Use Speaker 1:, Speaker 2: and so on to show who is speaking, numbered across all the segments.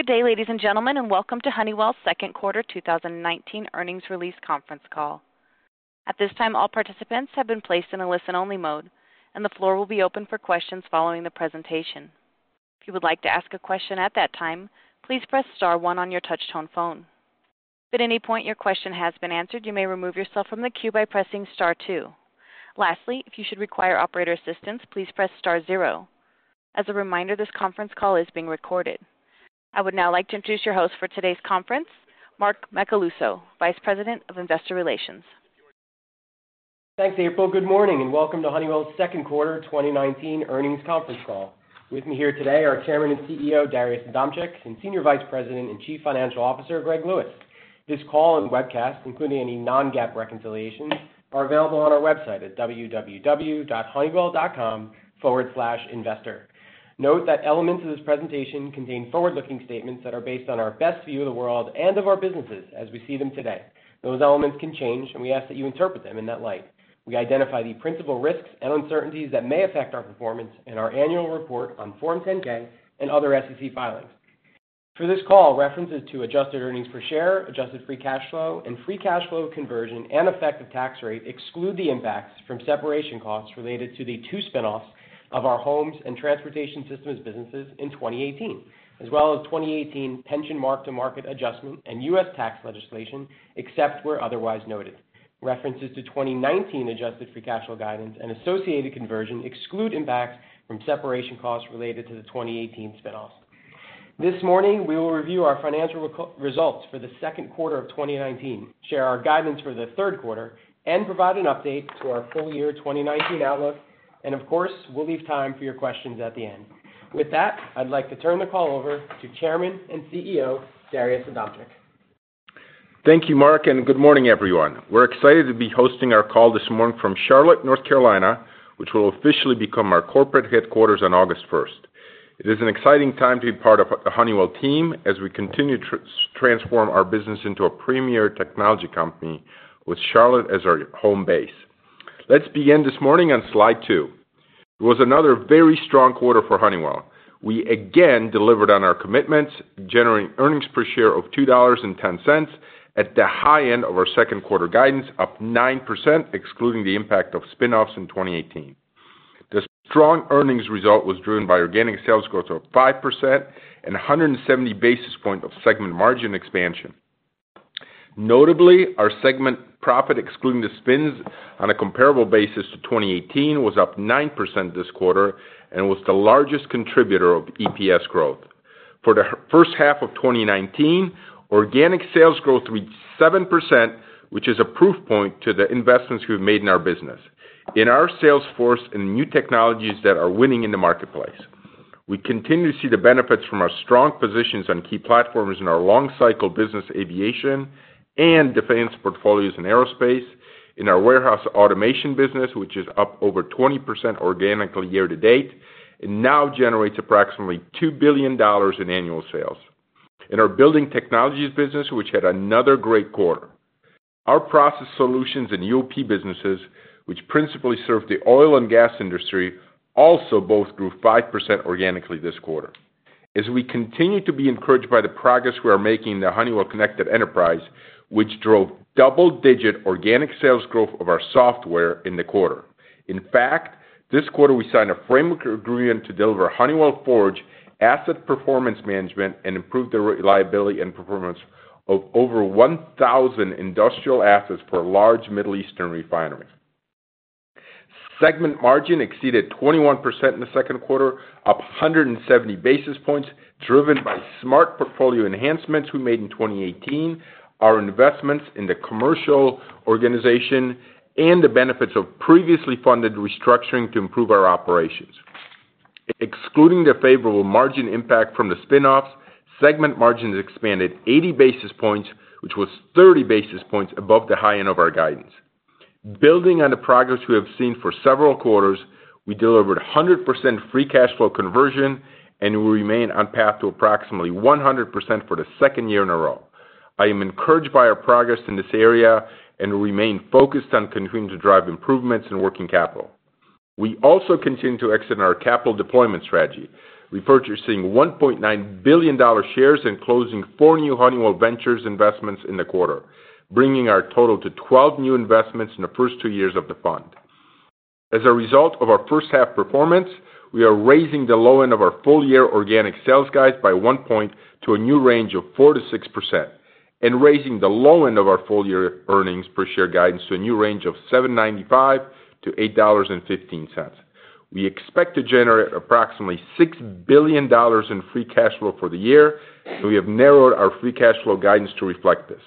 Speaker 1: Good day, ladies and gentlemen, and welcome to Honeywell's second quarter 2019 earnings release conference call. At this time, all participants have been placed in a listen-only mode, and the floor will be open for questions following the presentation. If you would like to ask a question at that time, please press star one on your touch-tone phone. If at any point your question has been answered, you may remove yourself from the queue by pressing star two. Lastly, if you should require operator assistance, please press star zero. As a reminder, this conference call is being recorded. I would now like to introduce your host for today's conference, Mark Macaluso, Vice President of Investor Relations.
Speaker 2: Thanks, April. Good morning, and welcome to Honeywell's second quarter 2019 earnings conference call. With me here today are Chairman and CEO, Darius Adamczyk, and Senior Vice President and Chief Financial Officer, Greg Lewis. This call and webcast, including any non-GAAP reconciliations, are available on our website at www.honeywell.com/investor. Note that elements of this presentation contain forward-looking statements that are based on our best view of the world and of our businesses as we see them today. Those elements can change, and we ask that you interpret them in that light. We identify the principal risks and uncertainties that may affect our performance in our annual report on Form 10-K and other SEC filings. For this call, references to adjusted earnings per share, adjusted free cash flow, and free cash flow conversion and effective tax rate exclude the impacts from separation costs related to the two spin-offs of our homes and transportation systems businesses in 2018, as well as 2018 pension mark-to-market adjustment and U.S. tax legislation, except where otherwise noted. References to 2019 adjusted free cash flow guidance and associated conversion exclude impacts from separation costs related to the 2018 spin-offs. This morning, we will review our financial results for the second quarter of 2019, share our guidance for the third quarter, and provide an update to our full year 2019 outlook. Of course, we'll leave time for your questions at the end. With that, I'd like to turn the call over to Chairman and CEO, Darius Adamczyk.
Speaker 3: Thank you, Mark, and good morning, everyone. We're excited to be hosting our call this morning from Charlotte, North Carolina, which will officially become our corporate headquarters on August 1st. It is an exciting time to be part of the Honeywell team as we continue to transform our business into a premier technology company with Charlotte as our home base. Let's begin this morning on slide two. It was another very strong quarter for Honeywell. We again delivered on our commitments, generating earnings per share of $2.10 at the high end of our second quarter guidance, up 9% excluding the impact of spin-offs in 2018. The strong earnings result was driven by organic sales growth of 5% and 170 basis points of segment margin expansion. Notably, our segment profit, excluding the spins on a comparable basis to 2018, was up 9% this quarter and was the largest contributor of EPS growth. For the first half of 2019, organic sales growth reached 7%, which is a proof point to the investments we've made in our business, in our sales force, and new technologies that are winning in the marketplace. We continue to see the benefits from our strong positions on key platforms in our long-cycle business aviation and defense portfolios in aerospace, in our warehouse automation business, which is up over 20% organically year to date and now generates approximately $2 billion in annual sales. In our Building Technologies business, which had another great quarter. Our Process Solutions and UOP businesses, which principally serve the oil and gas industry, also both grew 5% organically this quarter. We continue to be encouraged by the progress we are making in the Honeywell Connected Enterprise, which drove double-digit organic sales growth of our software in the quarter. In fact, this quarter we signed a framework agreement to deliver Honeywell Forge asset performance management and improve the reliability and performance of over 1,000 industrial assets for a large Middle Eastern refinery. Segment margin exceeded 21% in the second quarter, up 170 basis points, driven by smart portfolio enhancements we made in 2018, our investments in the commercial organization, and the benefits of previously funded restructuring to improve our operations. Excluding the favorable margin impact from the spin-offs, segment margins expanded 80 basis points, which was 30 basis points above the high end of our guidance. Building on the progress we have seen for several quarters, we delivered 100% free cash flow conversion, and we remain on path to approximately 100% for the second year in a row. I am encouraged by our progress in this area and remain focused on continuing to drive improvements in working capital. We also continue to exit our capital deployment strategy, repurchasing $1.9 billion shares and closing four new Honeywell Ventures investments in the quarter, bringing our total to 12 new investments in the first two years of the fund. As a result of our first half performance, we are raising the low end of our full year organic sales guide by one point to a new range of 4%-6% and raising the low end of our full year earnings per share guidance to a new range of $7.95-$8.15. We expect to generate approximately $6 billion in free cash flow for the year. We have narrowed our free cash flow guidance to reflect this.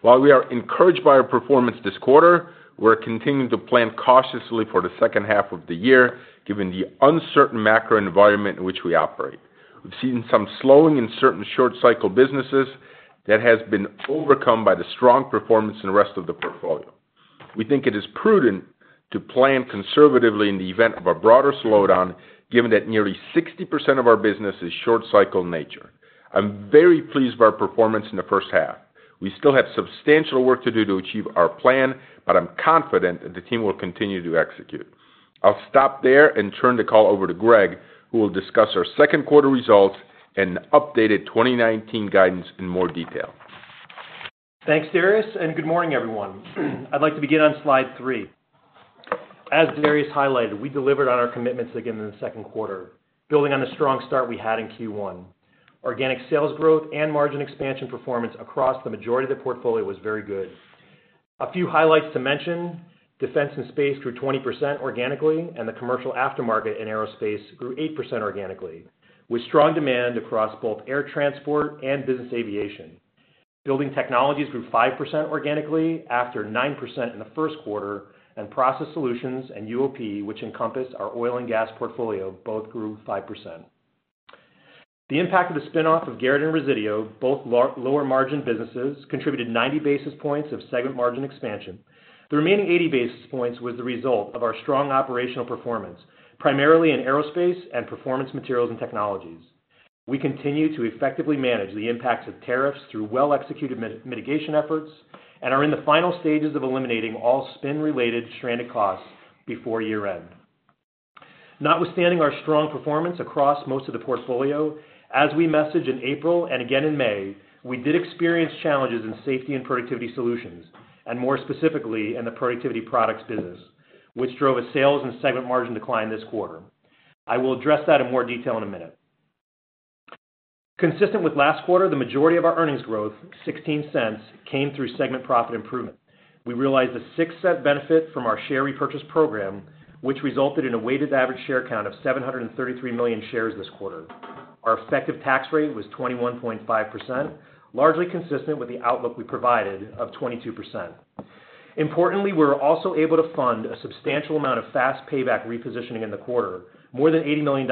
Speaker 3: While we are encouraged by our performance this quarter, we're continuing to plan cautiously for the second half of the year, given the uncertain macro environment in which we operate. We've seen some slowing in certain short cycle businesses that has been overcome by the strong performance in the rest of the portfolio. We think it is prudent to plan conservatively in the event of a broader slowdown, given that nearly 60% of our business is short cycle nature. I'm very pleased with our performance in the first half. We still have substantial work to do to achieve our plan. I'm confident that the team will continue to execute. I'll stop there and turn the call over to Greg, who will discuss our second quarter results and updated 2019 guidance in more detail.
Speaker 4: Thanks, Darius, and good morning, everyone. I'd like to begin on slide three. As Darius highlighted, we delivered on our commitments again in the second quarter, building on the strong start we had in Q1. Organic sales growth and margin expansion performance across the majority of the portfolio was very good. A few highlights to mention, defense and space grew 20% organically, and the commercial aftermarket and Aerospace grew 8% organically, with strong demand across both air transport and business aviation. Building Technologies grew 5% organically after 9% in the first quarter, and Process Solutions and UOP, which encompass our oil and gas portfolio, both grew 5%. The impact of the spin-off of Garrett and Resideo, both lower margin businesses, contributed 90 basis points of segment margin expansion. The remaining 80 basis points was the result of our strong operational performance, primarily in Aerospace and Performance Materials and Technologies. We continue to effectively manage the impacts of tariffs through well-executed mitigation efforts and are in the final stages of eliminating all spin-related stranded costs before year-end. Notwithstanding our strong performance across most of the portfolio, as we messaged in April and again in May, we did experience challenges in Safety and Productivity Solutions, and more specifically in the productivity products business, which drove a sales and segment margin decline this quarter. I will address that in more detail in a minute. Consistent with last quarter, the majority of our earnings growth, $0.16, came through segment profit improvement. We realized a $0.06 benefit from our share repurchase program, which resulted in a weighted average share count of 733 million shares this quarter. Our effective tax rate was 21.5%, largely consistent with the outlook we provided of 22%. Importantly, we were also able to fund a substantial amount of fast payback repositioning in the quarter, more than $80 million,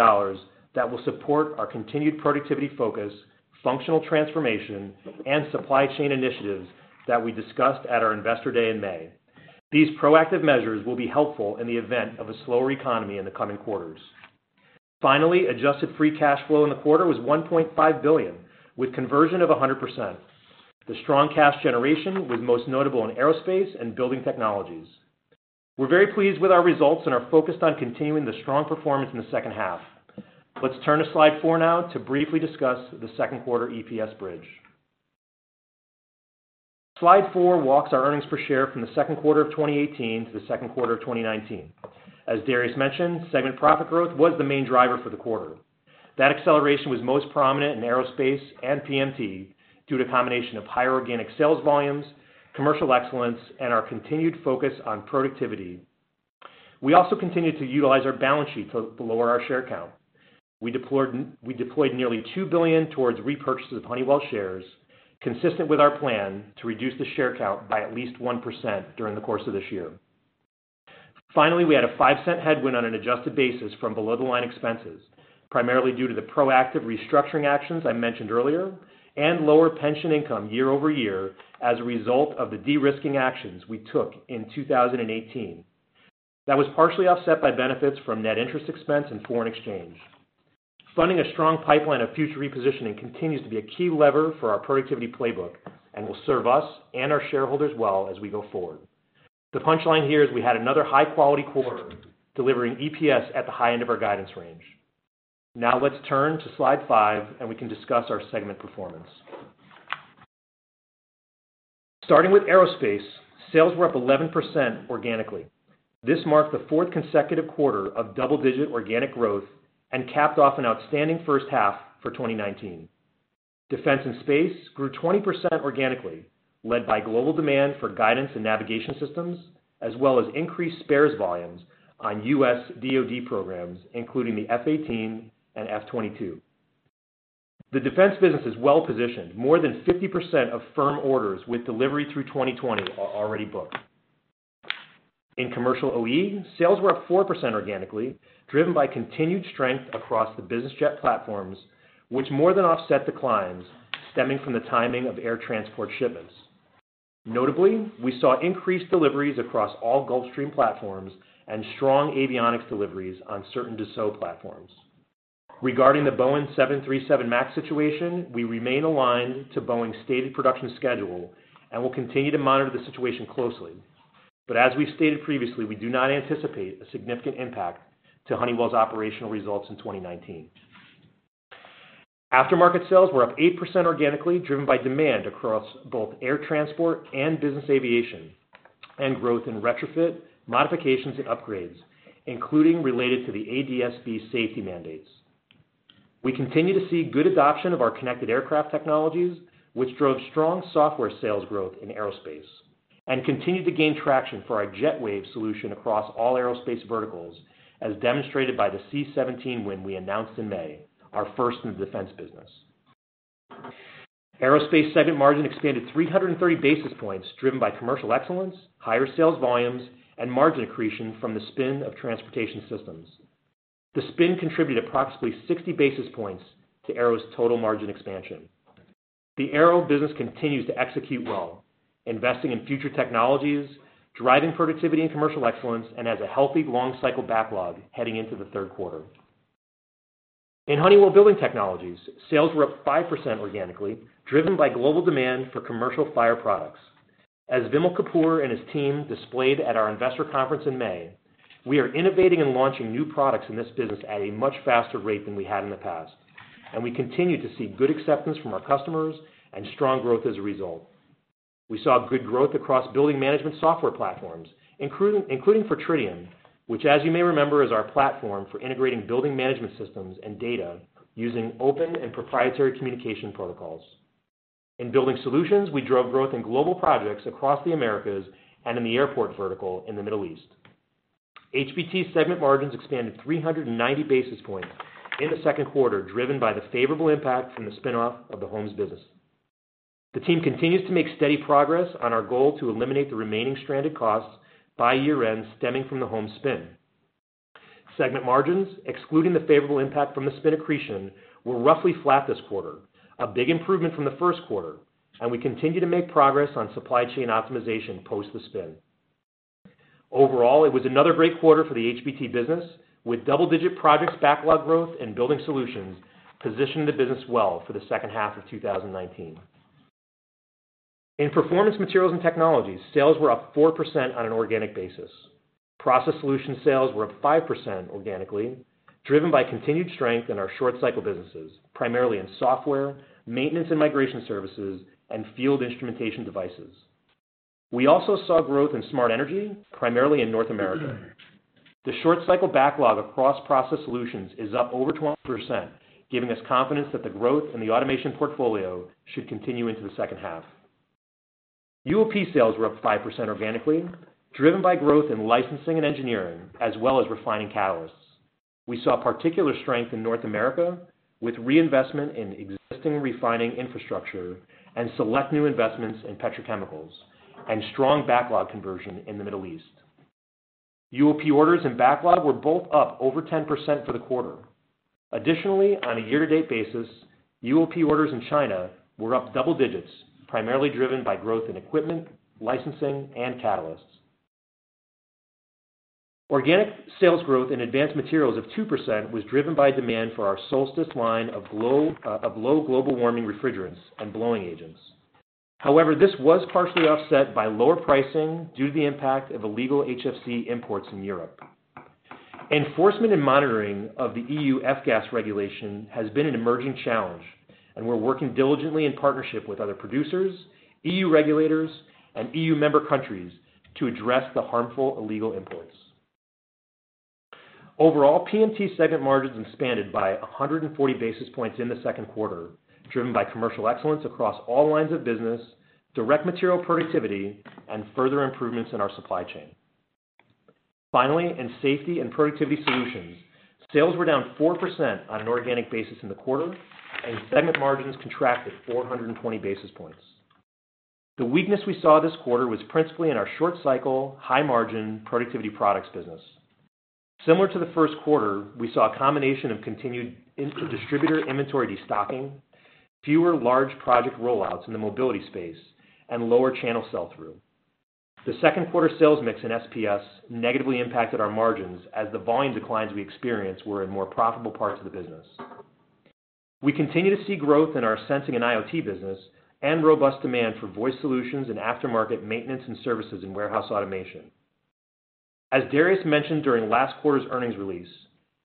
Speaker 4: that will support our continued productivity focus, functional transformation, and supply chain initiatives that we discussed at our Investor Day in May. These proactive measures will be helpful in the event of a slower economy in the coming quarters. Finally, adjusted free cash flow in the quarter was $1.5 billion, with conversion of 100%. The strong cash generation was most notable in Aerospace and Building Technologies. We're very pleased with our results and are focused on continuing the strong performance in the second half. Let's turn to slide four now to briefly discuss the second quarter EPS bridge. Slide four walks our earnings per share from the second quarter of 2018 to the second quarter of 2019. As Darius mentioned, segment profit growth was the main driver for the quarter. That acceleration was most prominent in Aerospace and PMT due to a combination of higher organic sales volumes, commercial excellence, and our continued focus on productivity. We also continued to utilize our balance sheet to lower our share count. We deployed nearly $2 billion towards repurchases of Honeywell shares, consistent with our plan to reduce the share count by at least 1% during the course of this year. Finally, we had a $0.05 headwind on an adjusted basis from below-the-line expenses, primarily due to the proactive restructuring actions I mentioned earlier and lower pension income year-over-year as a result of the de-risking actions we took in 2018. That was partially offset by benefits from net interest expense and foreign exchange. Funding a strong pipeline of future repositioning continues to be a key lever for our productivity playbook and will serve us and our shareholders well as we go forward. The punchline here is we had another high-quality quarter, delivering EPS at the high end of our guidance range. Now let's turn to slide five, and we can discuss our segment performance. Starting with Aerospace, sales were up 11% organically. This marked the fourth consecutive quarter of double-digit organic growth and capped off an outstanding first half for 2019. Defense and space grew 20% organically, led by global demand for guidance and navigation systems, as well as increased spares volumes on U.S. DoD programs, including the F-18 and F-22. The defense business is well-positioned. More than 50% of firm orders with delivery through 2020 are already booked. In commercial OE, sales were up 4% organically, driven by continued strength across the business jet platforms, which more than offset declines stemming from the timing of air transport shipments. Notably, we saw increased deliveries across all Gulfstream platforms and strong avionics deliveries on certain Dassault platforms. Regarding the Boeing 737 MAX situation, we remain aligned to Boeing's stated production schedule and will continue to monitor the situation closely. But as we've stated previously, we do not anticipate a significant impact to Honeywell's operational results in 2019. Aftermarket sales were up 8% organically, driven by demand across both air transport and business aviation, and growth in retrofit, modifications, and upgrades, including related to the ADS-B safety mandates. We continue to see good adoption of our connected aircraft technologies, which drove strong software sales growth in Aerospace, and continue to gain traction for our JetWave solution across all aerospace verticals, as demonstrated by the C-17 win we announced in May, our first in the defense business. Aerospace segment margin expanded 330 basis points, driven by commercial excellence, higher sales volumes, and margin accretion from the spin of transportation systems. The spin contributed approximately 60 basis points to Aero's total margin expansion. The Aero business continues to execute well, investing in future technologies, driving productivity and commercial excellence, and has a healthy long cycle backlog heading into the third quarter. In Honeywell Building Technologies, sales were up 5% organically, driven by global demand for commercial fire products. As Vimal Kapur and his team displayed at our investor conference in May, we are innovating and launching new products in this business at a much faster rate than we had in the past, and we continue to see good acceptance from our customers and strong growth as a result. We saw good growth across building management software platforms, including for Tridium, which as you may remember, is our platform for integrating building management systems and data using open and proprietary communication protocols. In Building Solutions, we drove growth in global projects across the Americas and in the airport vertical in the Middle East. HBT segment margins expanded 390 basis points in the second quarter, driven by the favorable impact from the spin-off of the Homes business. The team continues to make steady progress on our goal to eliminate the remaining stranded costs by year-end stemming from the Home spin. Segment margins, excluding the favorable impact from the spin accretion, were roughly flat this quarter, a big improvement from the first quarter, and we continue to make progress on supply chain optimization post the spin. Overall, it was another great quarter for the HBT business, with double-digit projects backlog growth and Building Solutions positioning the business well for the second half of 2019. In Performance Materials and Technologies, sales were up 4% on an organic basis. Process solution sales were up 5% organically, driven by continued strength in our short cycle businesses, primarily in software, maintenance and migration services, and field instrumentation devices. We also saw growth in smart energy, primarily in North America. The short cycle backlog across process solutions is up over 12%, giving us confidence that the growth in the automation portfolio should continue into the second half. UOP sales were up 5% organically, driven by growth in licensing and engineering, as well as refining catalysts. We saw particular strength in North America with reinvestment in existing refining infrastructure and select new investments in petrochemicals and strong backlog conversion in the Middle East. UOP orders and backlog were both up over 10% for the quarter. Additionally, on a year-to-date basis, UOP orders in China were up double digits, primarily driven by growth in equipment, licensing, and catalysts. Organic sales growth in advanced materials of 2% was driven by demand for our Solstice line of low global warming refrigerants and blowing agents. This was partially offset by lower pricing due to the impact of illegal HFC imports in Europe. Enforcement and monitoring of the EU F-Gas regulation has been an emerging challenge, and we're working diligently in partnership with other producers, EU regulators, and EU member countries to address the harmful illegal imports. PMT segment margins expanded by 140 basis points in the second quarter, driven by commercial excellence across all lines of business, direct material productivity, and further improvements in our supply chain. Finally, in Safety and Productivity Solutions, sales were down 4% on an organic basis in the quarter, and segment margins contracted 420 basis points. The weakness we saw this quarter was principally in our short cycle, high margin productivity products business. Similar to the first quarter, we saw a combination of continued distributor inventory destocking, fewer large project rollouts in the mobility space, and lower channel sell-through. The second quarter sales mix in SPS negatively impacted our margins as the volume declines we experienced were in more profitable parts of the business. We continue to see growth in our sensing and IoT business and robust demand for voice solutions and aftermarket maintenance and services in warehouse automation. As Darius mentioned during last quarter's earnings release,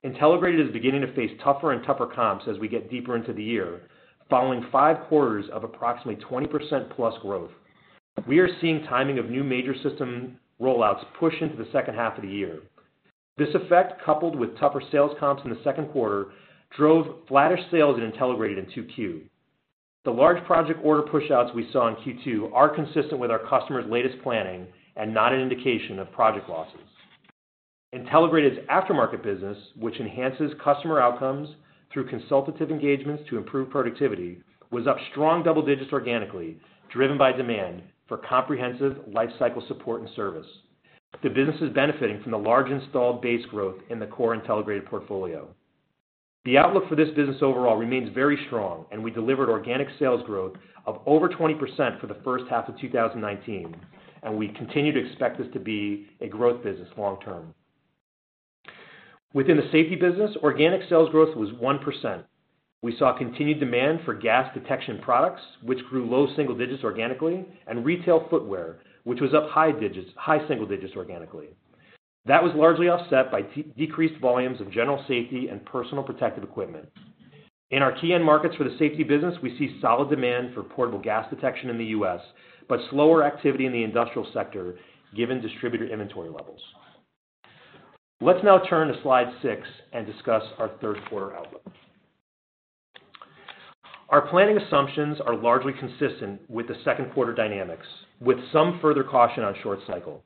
Speaker 4: Intelligrated is beginning to face tougher and tougher comps as we get deeper into the year, following five quarters of approximately 20%+ growth. We are seeing timing of new major system rollouts push into the second half of the year. This effect, coupled with tougher sales comps in the second quarter, drove flatter sales at Intelligrated in 2Q. The large project order pushouts we saw in Q2 are consistent with our customers' latest planning and not an indication of project losses. Intelligrated's aftermarket business, which enhances customer outcomes through consultative engagements to improve productivity, was up strong double digits organically, driven by demand for comprehensive life cycle support and service. The business is benefiting from the large installed base growth in the core Intelligrated portfolio. The outlook for this business overall remains very strong, and we delivered organic sales growth of over 20% for the first half of 2019, and we continue to expect this to be a growth business long term. Within the Safety business, organic sales growth was 1%. We saw continued demand for gas detection products, which grew low single digits organically, and retail footwear, which was up high single digits organically. That was largely offset by decreased volumes of general safety and personal protective equipment. In our key end markets for the Safety business, we see solid demand for portable gas detection in the U.S., but slower activity in the industrial sector given distributor inventory levels. Let's now turn to slide six and discuss our third quarter outlook. Our planning assumptions are largely consistent with the second quarter dynamics, with some further caution on short cycle.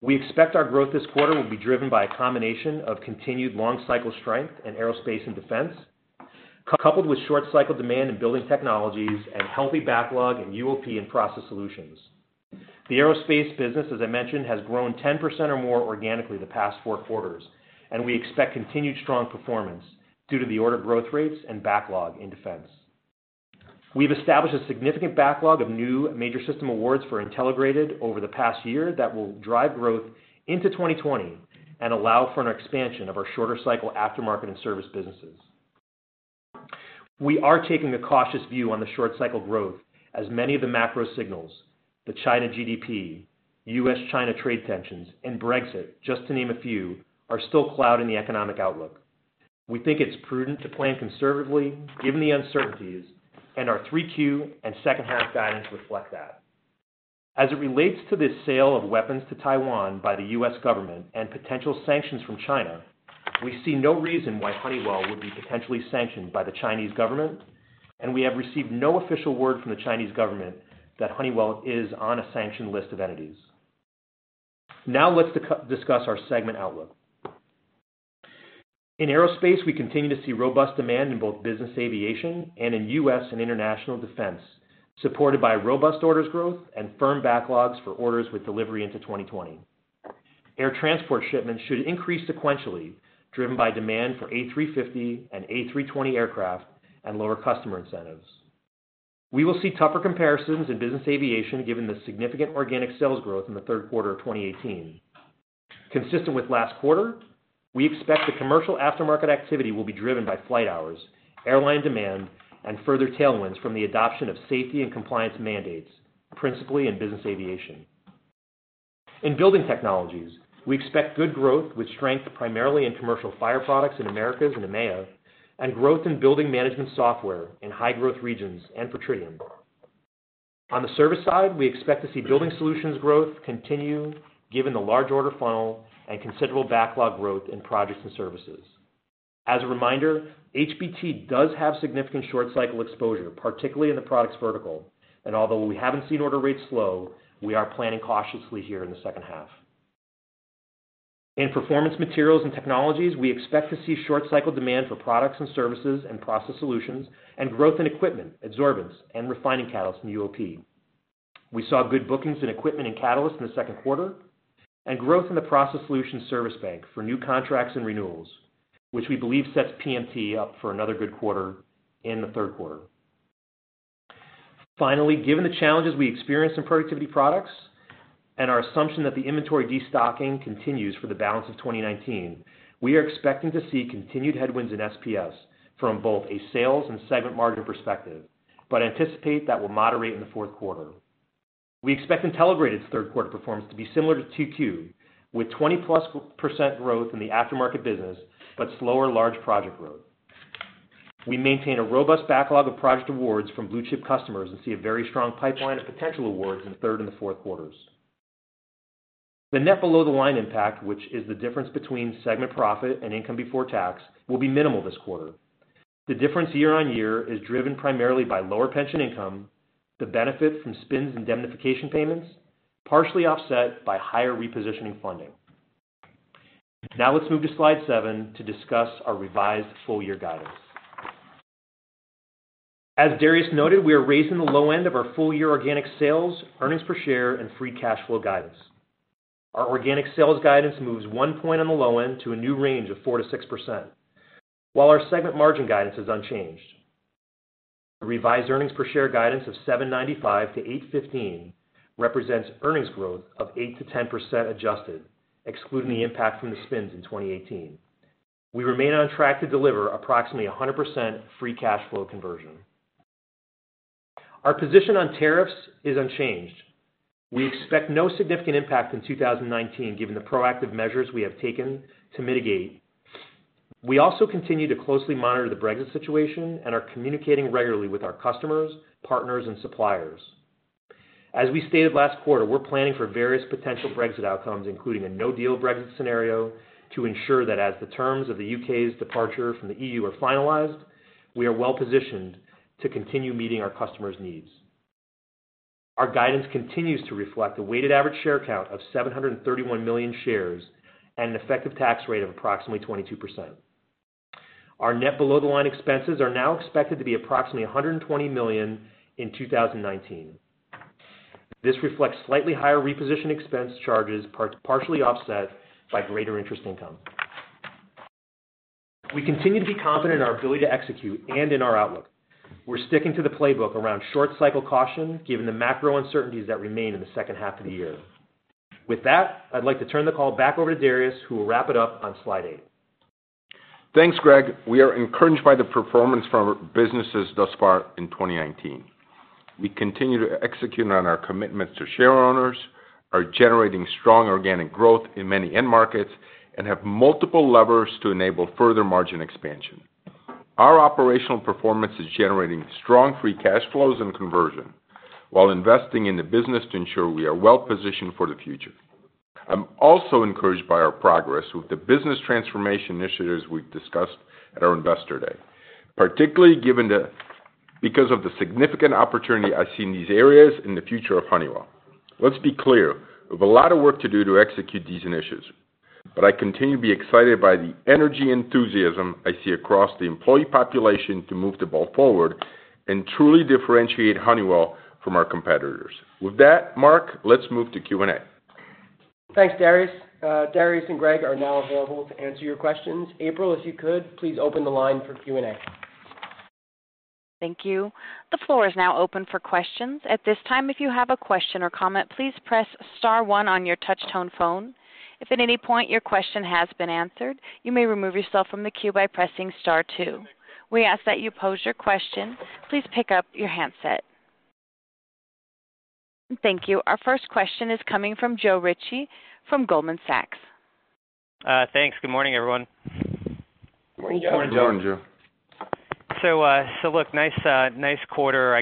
Speaker 4: We expect our growth this quarter will be driven by a combination of continued long cycle strength in Aerospace and Defense, coupled with short cycle demand in Building Technologies and healthy backlog in UOP and Process Solutions. The aerospace business, as I mentioned, has grown 10% or more organically the past four quarters, and we expect continued strong performance due to the order growth rates and backlog in defense. We've established a significant backlog of new major system awards for Intelligrated over the past year that will drive growth into 2020 and allow for an expansion of our shorter cycle aftermarket and service businesses. We are taking a cautious view on the short-cycle growth, as many of the macro signals, the China GDP, U.S.-China trade tensions, and Brexit, just to name a few, are still clouding the economic outlook. We think it's prudent to plan conservatively given the uncertainties, and our 3Q and second half guidance reflect that. As it relates to the sale of weapons to Taiwan by the U.S. government and potential sanctions from China, we see no reason why Honeywell would be potentially sanctioned by the Chinese government, and we have received no official word from the Chinese government that Honeywell is on a sanctioned list of entities. Now let's discuss our segment outlook. In Aerospace, we continue to see robust demand in both business aviation and in U.S. and international defense, supported by robust orders growth and firm backlogs for orders with delivery into 2020. Air transport shipments should increase sequentially, driven by demand for A350 and A320 aircraft and lower customer incentives. We will see tougher comparisons in business aviation given the significant organic sales growth in the third quarter of 2018. Consistent with last quarter, we expect the commercial aftermarket activity will be driven by flight hours, airline demand, and further tailwinds from the adoption of safety and compliance mandates, principally in business aviation. In Building Technologies, we expect good growth with strength primarily in commercial fire products in Americas and EMEA, and growth in building management software in high-growth regions and for Tridium. On the service side, we expect to see building solutions growth continue given the large order funnel and considerable backlog growth in projects and services. As a reminder, HBT does have significant short cycle exposure, particularly in the products vertical. Although we haven't seen order rates slow, we are planning cautiously here in the second half. In Performance Materials and Technologies, we expect to see short cycle demand for products and services and Process Solutions and growth in equipment, absorbents, and refining catalysts in UOP. We saw good bookings in equipment and catalysts in the second quarter and growth in the Process Solutions service bank for new contracts and renewals, which we believe sets PMT up for another good quarter in the third quarter. Finally, given the challenges we experienced in Productivity Products and our assumption that the inventory destocking continues for the balance of 2019, we are expecting to see continued headwinds in SPS from both a sales and segment margin perspective. We anticipate that will moderate in the fourth quarter. We expect Intelligrated's third quarter performance to be similar to 2Q, with 20%+ growth in the aftermarket business, but slower large project growth. We maintain a robust backlog of project awards from blue-chip customers and see a very strong pipeline of potential awards in the third and the fourth quarters. The net below the line impact, which is the difference between segment profit and income before tax, will be minimal this quarter. The difference year-over-year is driven primarily by lower pension income, the benefit from spins and indemnification payments, partially offset by higher repositioning funding. Now let's move to slide seven to discuss our revised full year guidance. As Darius noted, we are raising the low end of our full year organic sales, earnings per share, and free cash flow guidance. Our organic sales guidance moves one point on the low end to a new range of 4%-6%, while our segment margin guidance is unchanged. The revised earnings per share guidance of $7.95-$8.15 represents earnings growth of 8%-10% adjusted, excluding the impact from the spins in 2018. We remain on track to deliver approximately 100% free cash flow conversion. Our position on tariffs is unchanged. We expect no significant impact in 2019 given the proactive measures we have taken to mitigate. We also continue to closely monitor the Brexit situation and are communicating regularly with our customers, partners, and suppliers. As we stated last quarter, we're planning for various potential Brexit outcomes, including a no deal Brexit scenario to ensure that as the terms of the U.K.'s departure from the EU are finalized, we are well-positioned to continue meeting our customers' needs. Our guidance continues to reflect a weighted average share count of 731 million shares and an effective tax rate of approximately 22%. Our net below the line expenses are now expected to be approximately $120 million in 2019. This reflects slightly higher reposition expense charges, partially offset by greater interest income. We continue to be confident in our ability to execute and in our outlook. We're sticking to the playbook around short cycle caution, given the macro uncertainties that remain in the second half of the year. With that, I'd like to turn the call back over to Darius, who will wrap it up on slide eight.
Speaker 3: Thanks, Greg. We are encouraged by the performance from our businesses thus far in 2019. We continue to execute on our commitments to shareowners, are generating strong organic growth in many end markets, and have multiple levers to enable further margin expansion. Our operational performance is generating strong free cash flows and conversion while investing in the business to ensure we are well-positioned for the future. I'm also encouraged by our progress with the business transformation initiatives we've discussed at our Investor Day, particularly because of the significant opportunity I see in these areas in the future of Honeywell. Let's be clear, we have a lot of work to do to execute these initiatives. I continue to be excited by the energy enthusiasm I see across the employee population to move the ball forward and truly differentiate Honeywell from our competitors. With that, Mark, let's move to Q&A.
Speaker 2: Thanks, Darius. Darius and Greg are now available to answer your questions. April, if you could, please open the line for Q&A.
Speaker 1: Thank you. The floor is now open for questions. At this time, if you have a question or comment, please press star one on your touch-tone phone. If at any point your question has been answered, you may remove yourself from the queue by pressing star two. We ask that you pose your question. Please pick up your handset. Thank you. Our first question is coming from Joe Ritchie from Goldman Sachs.
Speaker 5: Thanks. Good morning, everyone.
Speaker 3: Morning, Joe.
Speaker 4: Morning, Joe.
Speaker 5: Look, nice quarter.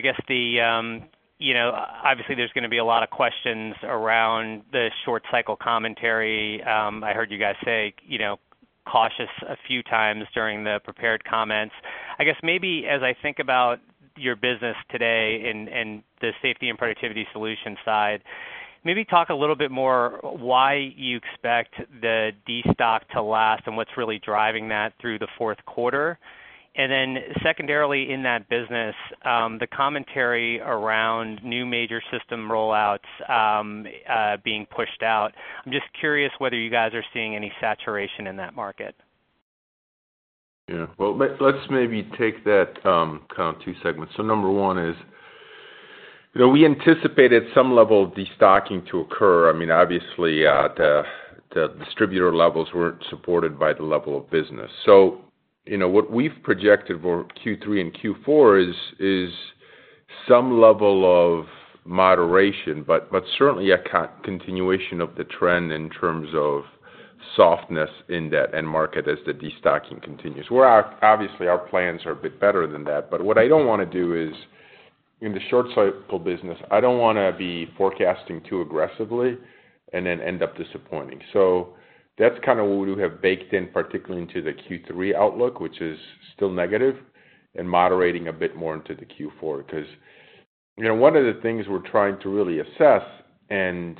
Speaker 5: Obviously, there's going to be a lot of questions around the short cycle commentary. I heard you guys say cautious a few times during the prepared comments. Maybe as I think about your business today and the Safety and Productivity Solutions side, maybe talk a little bit more why you expect the destock to last and what's really driving that through the fourth quarter. Secondarily, in that business, the commentary around new major system rollouts being pushed out. I'm just curious whether you guys are seeing any saturation in that market.
Speaker 3: Let's maybe take that kind of two segments. Number one is, we anticipated some level of destocking to occur. Obviously, the distributor levels weren't supported by the level of business. What we've projected for Q3 and Q4 is some level of moderation, but certainly a continuation of the trend in terms of softness in that end market as the destocking continues, where obviously our plans are a bit better than that. What I don't want to do is, in the short cycle business, I don't want to be forecasting too aggressively and then end up disappointing. That's kind of what we have baked in, particularly into the Q3 outlook, which is still negative and moderating a bit more into the Q4. One of the things we're trying to really assess and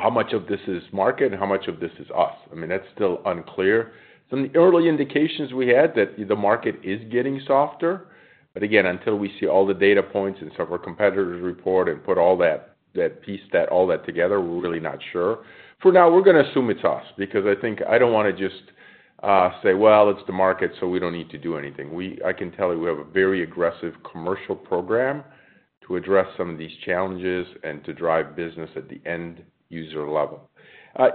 Speaker 3: how much of this is market and how much of this is us, that's still unclear. Some of the early indications we had that the market is getting softer, but again, until we see all the data points and some of our competitors report and piece all that together, we're really not sure. For now, we're going to assume it's us, because I think I don't want to just say, "Well, it's the market, so we don't need to do anything." I can tell you we have a very aggressive commercial program to address some of these challenges and to drive business at the end user level.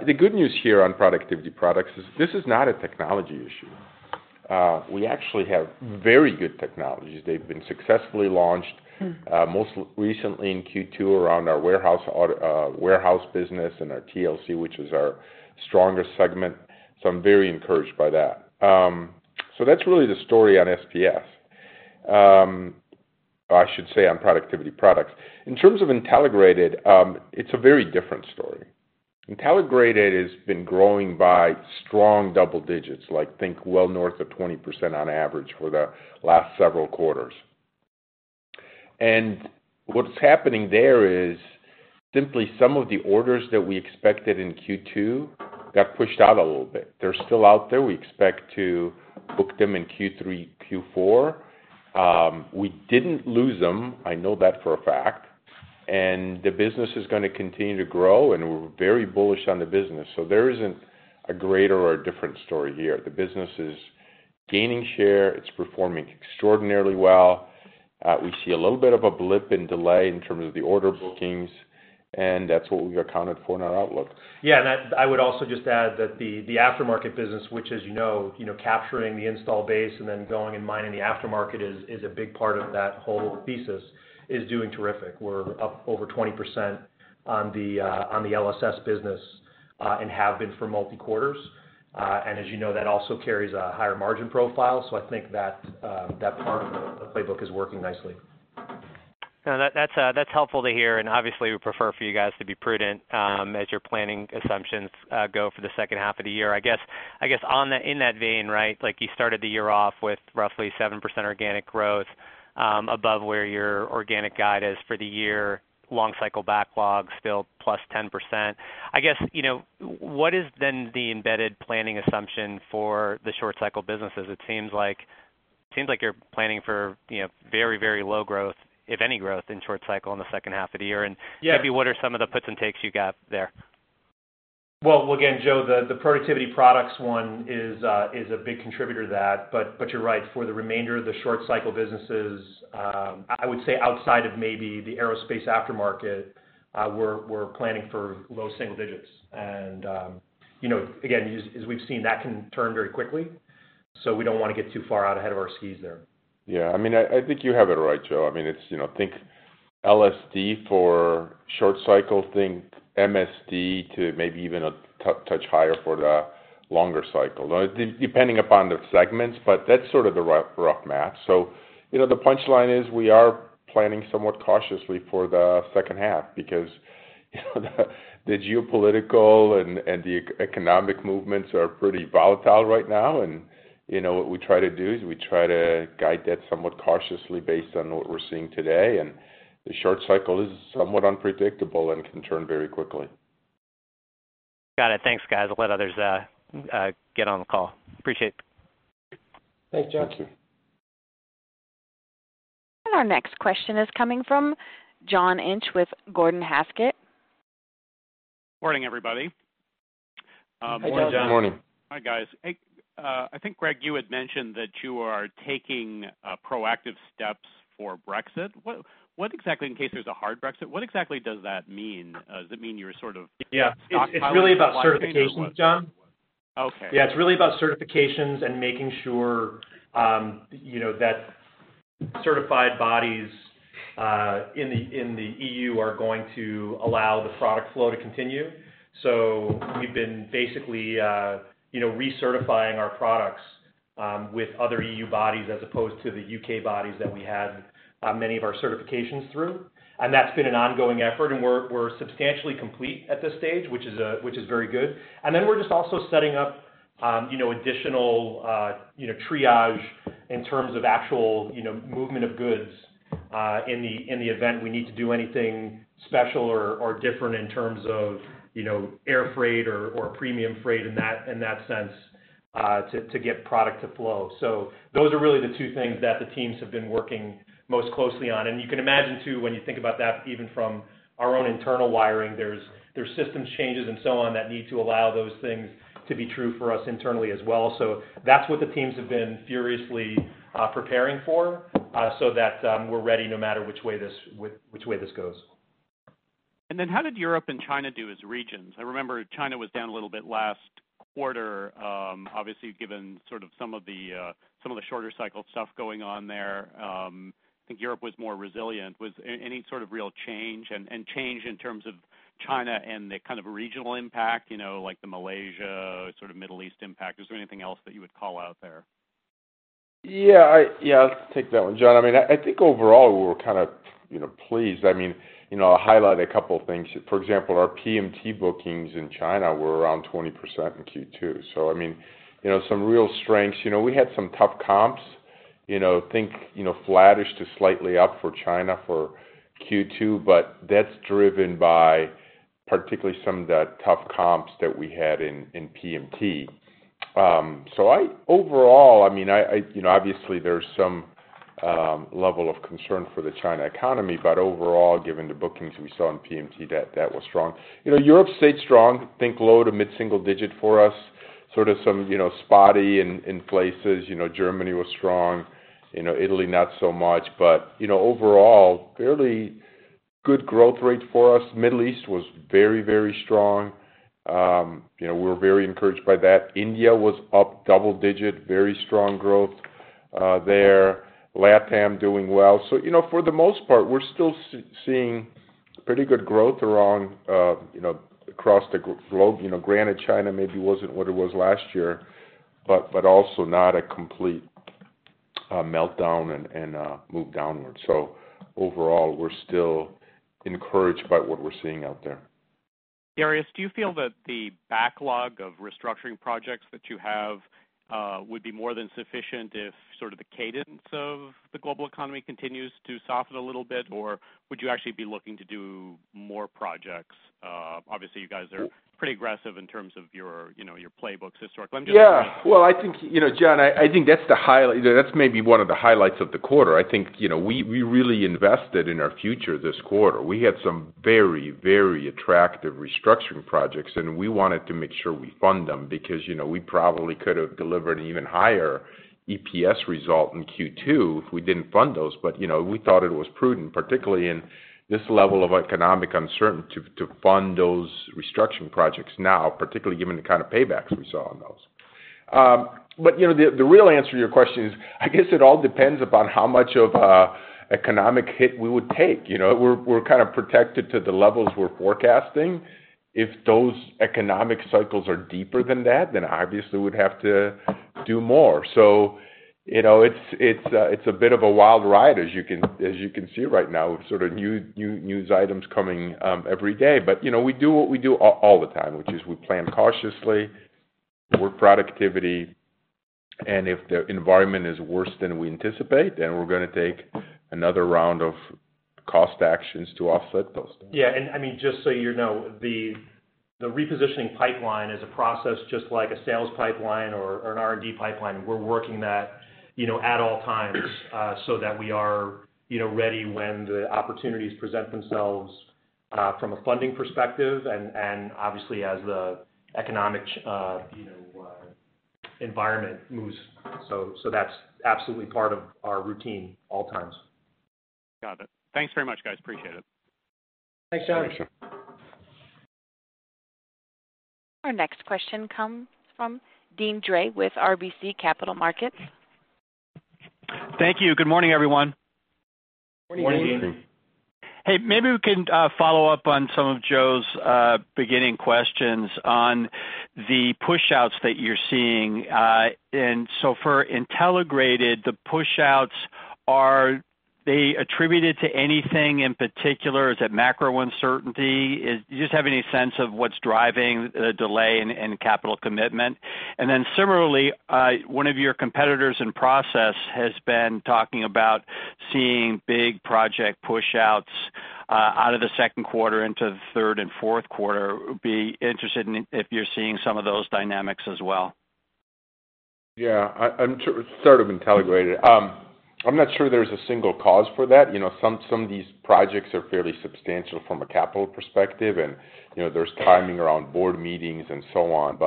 Speaker 3: The good news here on productivity products is this is not a technology issue. We actually have very good technologies. They've been successfully launched, most recently in Q2 around our warehouse business and our TLC, which is our strongest segment. I'm very encouraged by that. That's really the story on SPS. I should say on productivity products. In terms of Intelligrated, it's a very different story. Intelligrated has been growing by strong double digits, like think well north of 20% on average for the last several quarters. What's happening there is simply some of the orders that we expected in Q2 got pushed out a little bit. They're still out there. We expect to book them in Q3, Q4. We didn't lose them. I know that for a fact. The business is going to continue to grow, and we're very bullish on the business. There isn't a greater or a different story here. The business is gaining share. It's performing extraordinarily well. We see a little bit of a blip in delay in terms of the order bookings, and that's what we accounted for in our outlook.
Speaker 4: Yeah, I would also just add that the aftermarket business, which as you know, capturing the install base and then going and mining the aftermarket is a big part of that whole thesis, is doing terrific. We're up over 20% on the LSS business, and have been for multi quarters. As you know, that also carries a higher margin profile. I think that part of the playbook is working nicely.
Speaker 5: No, that's helpful to hear, obviously, we prefer for you guys to be prudent as your planning assumptions go for the second half of the year. I guess, in that vein, you started the year off with roughly 7% organic growth above where your organic guide is for the year, long cycle backlog still +10%. I guess, what is then the embedded planning assumption for the short cycle businesses? It seems like you're planning for very low growth, if any growth, in short cycle in the second half of the year.
Speaker 4: Yeah
Speaker 5: Maybe what are some of the puts and takes you got there?
Speaker 4: Well, again, Joe, the productivity products one is a big contributor to that. You're right, for the remainder of the short cycle businesses, I would say outside of maybe the Aerospace aftermarket, we're planning for low single digits. Again, as we've seen, that can turn very quickly. We don't want to get too far out ahead of our skis there.
Speaker 3: Yeah. I think you have it right, Joe. Think LSD for short cycle, think MSD to maybe even a touch higher for the longer cycle, depending upon the segments, but that's sort of the rough math. The punchline is we are planning somewhat cautiously for the second half because the geopolitical and the economic movements are pretty volatile right now, and what we try to do is we try to guide that somewhat cautiously based on what we're seeing today, and the short cycle is somewhat unpredictable and can turn very quickly.
Speaker 5: Got it. Thanks, guys. I'll let others get on the call. Appreciate it.
Speaker 4: Thanks, Joe.
Speaker 2: Thank you.
Speaker 1: Our next question is coming from John Inch with Gordon Haskett.
Speaker 6: Morning, everybody.
Speaker 2: Hey, John.
Speaker 3: Morning.
Speaker 6: Hi, guys. Hey. I think, Greg, you had mentioned that you are taking proactive steps for Brexit. In case there's a hard Brexit, what exactly does that mean? Does it mean you're sort of.
Speaker 4: Yeah
Speaker 6: stockpiling?
Speaker 4: It's really about certifications, John.
Speaker 6: Okay.
Speaker 4: Yeah, it's really about certifications and making sure that certified bodies in the EU are going to allow the product flow to continue. We've been basically recertifying our products with other EU bodies as opposed to the U.K. bodies that we had many of our certifications through. That's been an ongoing effort, and we're substantially complete at this stage, which is very good. We're just also setting up additional triage in terms of actual movement of goods in the event we need to do anything special or different in terms of air freight or premium freight in that sense to get product to flow. Those are really the two things that the teams have been working most closely on. You can imagine, too, when you think about that, even from our own internal wiring, there's systems changes and so on that need to allow those things to be true for us internally as well. That's what the teams have been furiously preparing for so that we're ready no matter which way this goes.
Speaker 6: How did Europe and China do as regions? I remember China was down a little bit last quarter, obviously, given some of the shorter cycle stuff going on there. I think Europe was more resilient. Was any sort of real change, and change in terms of China and the kind of regional impact like the Malaysia, sort of Middle East impact? Is there anything else that you would call out there?
Speaker 3: Yeah. I'll take that one, John. I think overall, we were kind of pleased. I'll highlight a couple of things. For example, our PMT bookings in China were around 20% in Q2. Some real strengths. We had some tough comps. Think flattish to slightly up for China for Q2, but that's driven by particularly some of the tough comps that we had in PMT. Overall, obviously, there's some level of concern for the China economy. Overall, given the bookings we saw in PMT, that was strong. Europe stayed strong. Think low to mid-single digit for us, sort of spotty in places. Germany was strong. Italy not so much. Overall, fairly good growth rate for us. Middle East was very strong. We were very encouraged by that. India was up double digit, very strong growth there. LATAM doing well. For the most part, we're still seeing pretty good growth across the globe. Granted, China maybe wasn't what it was last year, but also not a complete meltdown and move downward. Overall, we're still encouraged by what we're seeing out there.
Speaker 6: Darius, do you feel that the backlog of restructuring projects that you have would be more than sufficient if sort of the cadence of the global economy continues to soften a little bit? Would you actually be looking to do more projects? Obviously, you guys are pretty aggressive in terms of your playbooks historically.
Speaker 3: Yeah. Well, John, I think that's maybe one of the highlights of the quarter. I think we really invested in our future this quarter. We had some very attractive restructuring projects, and we wanted to make sure we fund them because we probably could have delivered an even higher EPS result in Q2 if we didn't fund those. We thought it was prudent, particularly in this level of economic uncertainty, to fund those restructuring projects now, particularly given the kind of paybacks we saw on those. The real answer to your question is, I guess it all depends upon how much of an economic hit we would take. We're kind of protected to the levels we're forecasting. If those economic cycles are deeper than that, then obviously we'd have to do more. It's a bit of a wild ride as you can see right now with sort of news items coming every day. We do what we do all the time, which is we plan cautiously. We're productivity, if the environment is worse than we anticipate, we're going to take another round of cost actions to offset those.
Speaker 4: Just you know, the repositioning pipeline is a process just like a sales pipeline or an R&D pipeline. We're working that at all times so that we are ready when the opportunities present themselves from a funding perspective and obviously as the economic environment moves. That's absolutely part of our routine all times.
Speaker 6: Got it. Thanks very much, guys. Appreciate it.
Speaker 4: Thanks, John.
Speaker 3: Appreciate it.
Speaker 1: Our next question comes from Deane Dray with RBC Capital Markets.
Speaker 7: Thank you. Good morning, everyone.
Speaker 2: Morning.
Speaker 3: Good morning.
Speaker 7: Hey, maybe we can follow up on some of Joe's beginning questions on the pushouts that you're seeing. For Intelligrated, the pushouts, are they attributed to anything in particular? Is it macro uncertainty? Do you just have any sense of what's driving the delay in capital commitment? Similarly, one of your competitors in process has been talking about seeing big project pushouts out of the second quarter into the third and fourth quarter, would be interested if you're seeing some of those dynamics as well.
Speaker 3: Yeah. It's sort of Intelligrated. I'm not sure there's a single cause for that. Some of these projects are fairly substantial from a capital perspective, and there's timing around board meetings and so on.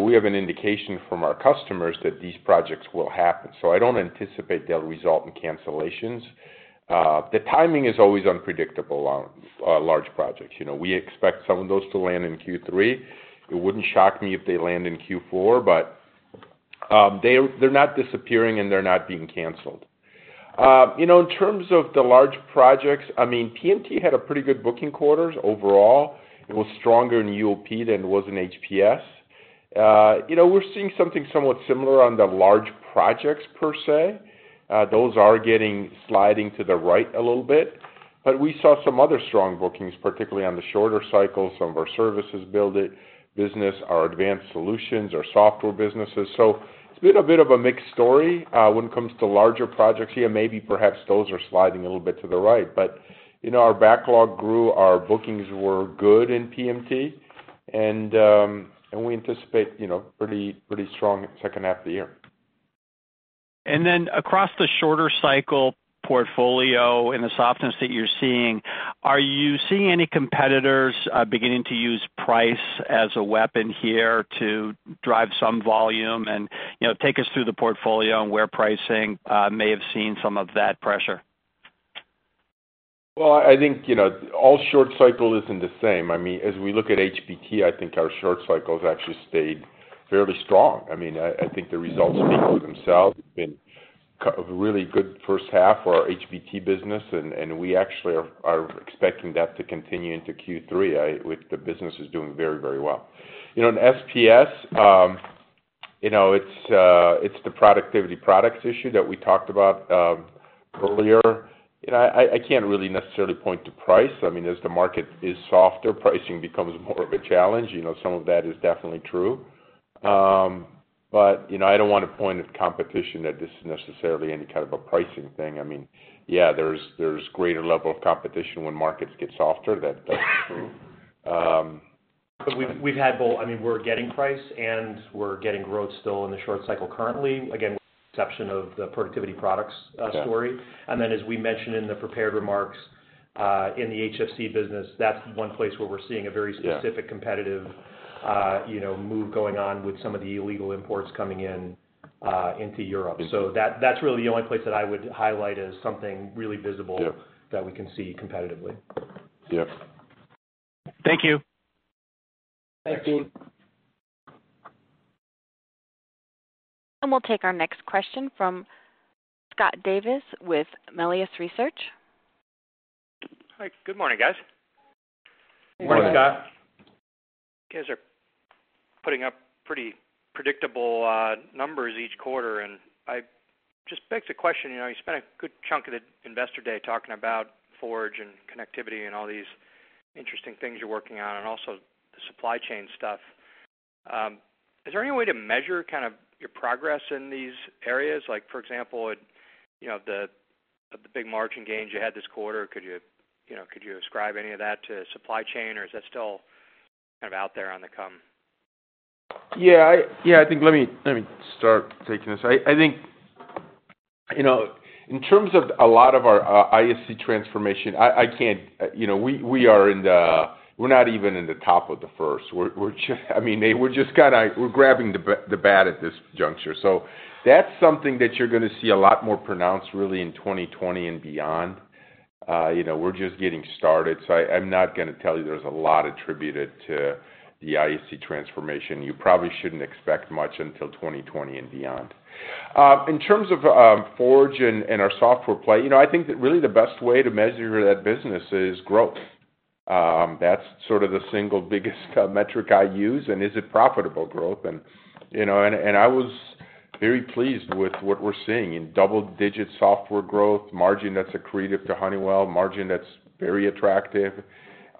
Speaker 3: We have an indication from our customers that these projects will happen, so I don't anticipate they'll result in cancellations. The timing is always unpredictable on large projects. We expect some of those to land in Q3. It wouldn't shock me if they land in Q4, but they're not disappearing, and they're not being canceled. In terms of the large projects, PMT had a pretty good booking quarters overall. It was stronger in UOP than it was in HPS. We're seeing something somewhat similar on the large projects per se. Those are getting sliding to the right a little bit. We saw some other strong bookings, particularly on the shorter cycles, some of our services business, our advanced solutions, our software businesses. It's been a bit of a mixed story when it comes to larger projects here. Maybe perhaps those are sliding a little bit to the right, but our backlog grew, our bookings were good in PMT, and we anticipate pretty strong second half of the year.
Speaker 7: Across the shorter cycle portfolio and the softness that you're seeing, are you seeing any competitors beginning to use price as a weapon here to drive some volume and take us through the portfolio and where pricing may have seen some of that pressure?
Speaker 3: Well, I think all short cycle isn't the same. As we look at HBT, I think our short cycles actually stayed fairly strong. I think the results speak for themselves. It's been a really good first half for our HBT business, and we actually are expecting that to continue into Q3. The business is doing very, very well. In SPS, it's the productivity products issue that we talked about earlier. I can't really necessarily point to price. As the market is softer, pricing becomes more of a challenge. Some of that is definitely true. I don't want to point at competition that this is necessarily any kind of a pricing thing. Yeah, there's greater level of competition when markets get softer. That's true.
Speaker 4: We've had both. We're getting price, and we're getting growth still in the short cycle currently. Again, with the exception of the productivity products story.
Speaker 3: Okay.
Speaker 4: As we mentioned in the prepared remarks, in the HFC business, that's one place where we're seeing a very specific-
Speaker 3: Yeah
Speaker 4: competitive move going on with some of the illegal imports coming in into Europe. That's really the only place that I would highlight as something really visible-
Speaker 3: Yeah
Speaker 4: that we can see competitively.
Speaker 3: Yeah.
Speaker 7: Thank you.
Speaker 4: Thanks, Deane.
Speaker 1: We'll take our next question from Scott Davis with Melius Research.
Speaker 8: Hi. Good morning, guys.
Speaker 4: Morning, Scott.
Speaker 2: Morning.
Speaker 3: Morning.
Speaker 8: You guys are putting up pretty predictable numbers each quarter. It just begs the question, you spent a good chunk of the Investor Day talking about Forge and connectivity and all these interesting things you're working on, also the supply chain stuff. Is there any way to measure kind of your progress in these areas? Like for example, the big margin gains you had this quarter, could you ascribe any of that to supply chain, or is that still kind of out there on the come?
Speaker 3: Yeah. I think, let me start taking this. I think in terms of a lot of our ISC transformation, we're not even in the top of the first. We're grabbing the bat at this juncture. That's something that you're going to see a lot more pronounced really in 2020 and beyond. We're just getting started, I'm not going to tell you there's a lot attributed to the ISC transformation. You probably shouldn't expect much until 2020 and beyond. In terms of Forge and our software play, I think that really the best way to measure that business is growth. That's sort of the single biggest metric I use, is it profitable growth. I was very pleased with what we're seeing in double-digit software growth, margin that's accretive to Honeywell, margin that's very attractive.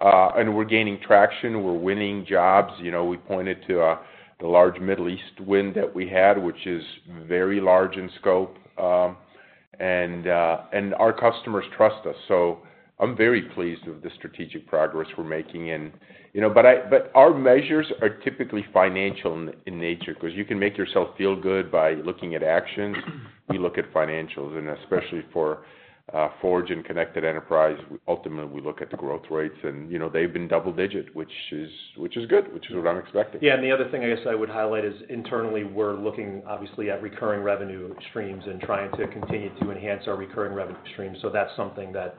Speaker 3: We're gaining traction. We're winning jobs. We pointed to the large Middle East win that we had, which is very large in scope. Our customers trust us. I'm very pleased with the strategic progress we're making in. Our measures are typically financial in nature, because you can make yourself feel good by looking at actions. We look at financials, and especially for Forge and Connected Enterprise, ultimately, we look at the growth rates, and they've been double-digit, which is good, which is what I'm expecting.
Speaker 4: The other thing I guess I would highlight is internally, we're looking obviously at recurring revenue streams and trying to continue to enhance our recurring revenue stream. That's something that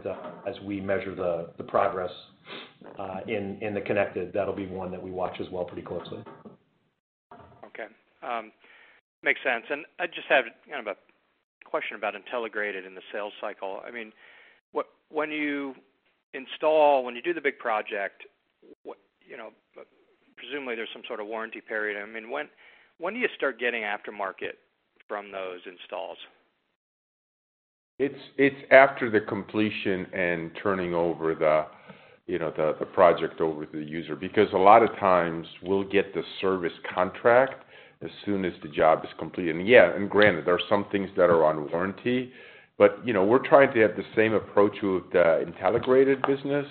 Speaker 4: as we measure the progress in the Connected, that'll be one that we watch as well pretty closely.
Speaker 8: Okay. Makes sense. I just have kind of a question about Intelligrated and the sales cycle. When you install, when you do the big project, presumably there's some sort of warranty period. When do you start getting aftermarket from those installs?
Speaker 3: It's after the completion and turning the project over to the user, because a lot of times we'll get the service contract as soon as the job is completed. Granted, there are some things that are on warranty, we're trying to have the same approach with the Intelligrated business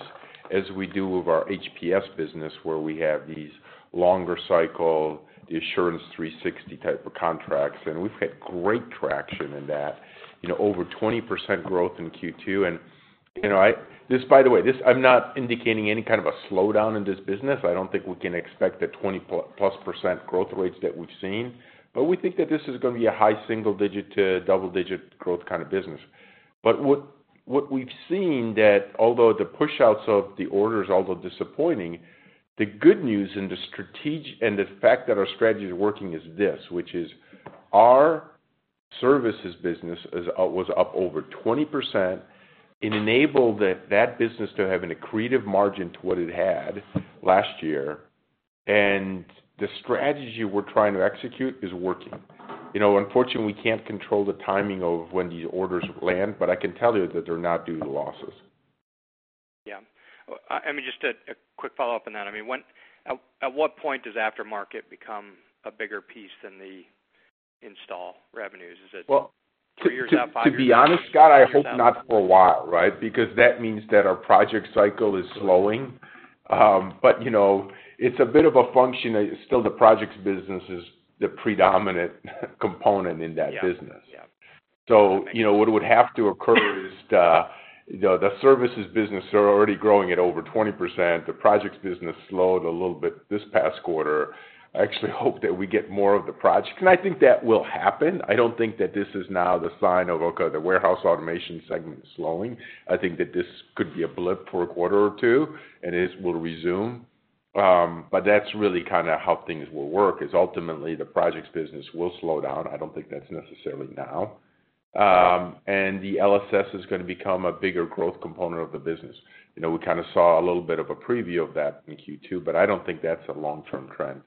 Speaker 3: as we do with our HPS business, where we have these longer cycle, the Assurance 360 type of contracts, and we've had great traction in that. Over 20% growth in Q2. By the way, I'm not indicating any kind of a slowdown in this business. I don't think we can expect the 20%+ growth rates that we've seen, we think that this is going to be a high single-digit to double-digit growth kind of business. What we've seen that although the push outs of the orders, although disappointing, the good news and the fact that our strategy is working is this, which is our services business was up over 20%. It enabled that business to have an accretive margin to what it had last year, and the strategy we're trying to execute is working. Unfortunately, we can't control the timing of when these orders land, but I can tell you that they're not due to losses.
Speaker 8: Yeah. Just a quick follow-up on that. At what point does aftermarket become a bigger piece than the install revenues?
Speaker 3: Well-
Speaker 8: three years out, five years out?
Speaker 3: To be honest, Scott, I hope not for a while, right? Because that means that our project cycle is slowing. It's a bit of a function. Still the projects business is the predominant component in that business.
Speaker 8: Yeah.
Speaker 3: What would have to occur is the services business are already growing at over 20%. The projects business slowed a little bit this past quarter. I actually hope that we get more of the projects, and I think that will happen. I don't think that this is now the sign of, okay, the warehouse automation segment is slowing. I think that this could be a blip for a quarter or two and this will resume. That's really kind of how things will work, is ultimately the projects business will slow down. I don't think that's necessarily now. The LSS is going to become a bigger growth component of the business. We kind of saw a little bit of a preview of that in Q2, but I don't think that's a long-term trend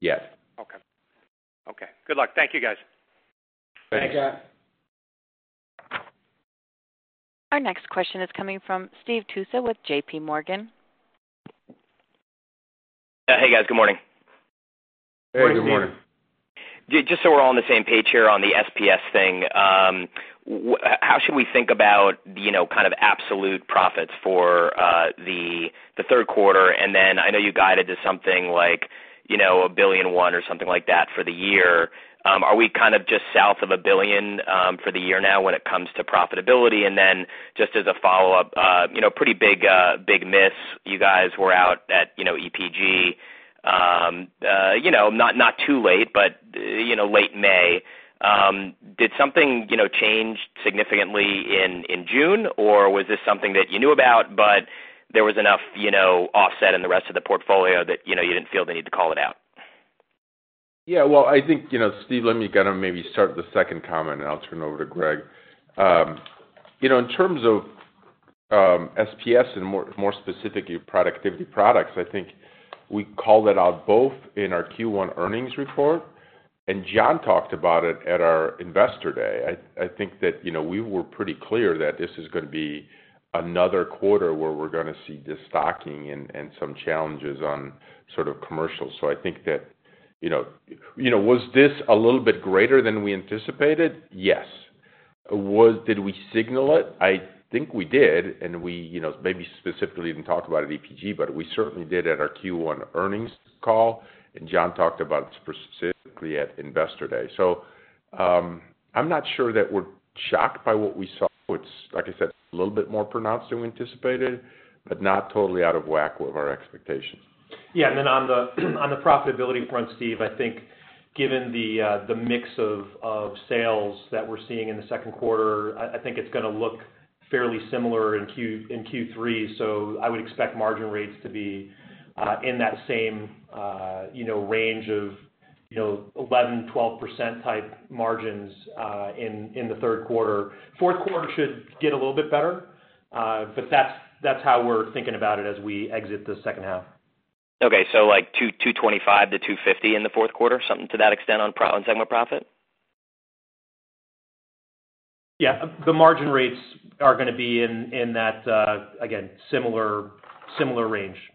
Speaker 3: yet.
Speaker 8: Okay. Good luck. Thank you, guys.
Speaker 3: Thank you.
Speaker 4: Thanks, Scott.
Speaker 1: Our next question is coming from Steve Tusa with JPMorgan.
Speaker 9: Hey, guys. Good morning.
Speaker 3: Hey, good morning.
Speaker 4: Good morning, Steve.
Speaker 9: Just so we're all on the same page here on the SPS thing, how should we think about kind of absolute profits for the third quarter? I know you guided to something like $1.1 billion or something like that for the year. Are we kind of just south of $1 billion for the year now when it comes to profitability? Just as a follow-up, pretty big miss. You guys were out at EPG, not too late, but late May. Did something change significantly in June? Or was this something that you knew about, but there was enough offset in the rest of the portfolio that you didn't feel the need to call it out?
Speaker 3: Well, I think, Steve, let me kind of maybe start with the second comment and I'll turn it over to Greg. In terms of SPS and more specifically productivity products, I think we called it out both in our Q1 earnings report, and John talked about it at our Investor Day. I think that we were pretty clear that this is going to be another quarter where we're going to see destocking and some challenges on sort of commercials. Was this a little bit greater than we anticipated? Yes. Did we signal it? I think we did, and we maybe specifically even talked about it at EPG, but we certainly did at our Q1 earnings call, and John talked about it specifically at Investor Day. I'm not sure that we're shocked by what we saw, which, like I said, a little bit more pronounced than we anticipated, but not totally out of whack with our expectations.
Speaker 4: On the profitability front, Steve, I think given the mix of sales that we're seeing in the second quarter, I think it's going to look fairly similar in Q3. I would expect margin rates to be in that same range of 11%-12% type margins in the third quarter. Fourth quarter should get a little bit better. That's how we're thinking about it as we exit the second half.
Speaker 9: Okay, like $225 million-$250 million in the fourth quarter, something to that extent on segment profit?
Speaker 4: Yeah. The margin rates are going to be in that, again, similar range.
Speaker 9: Okay.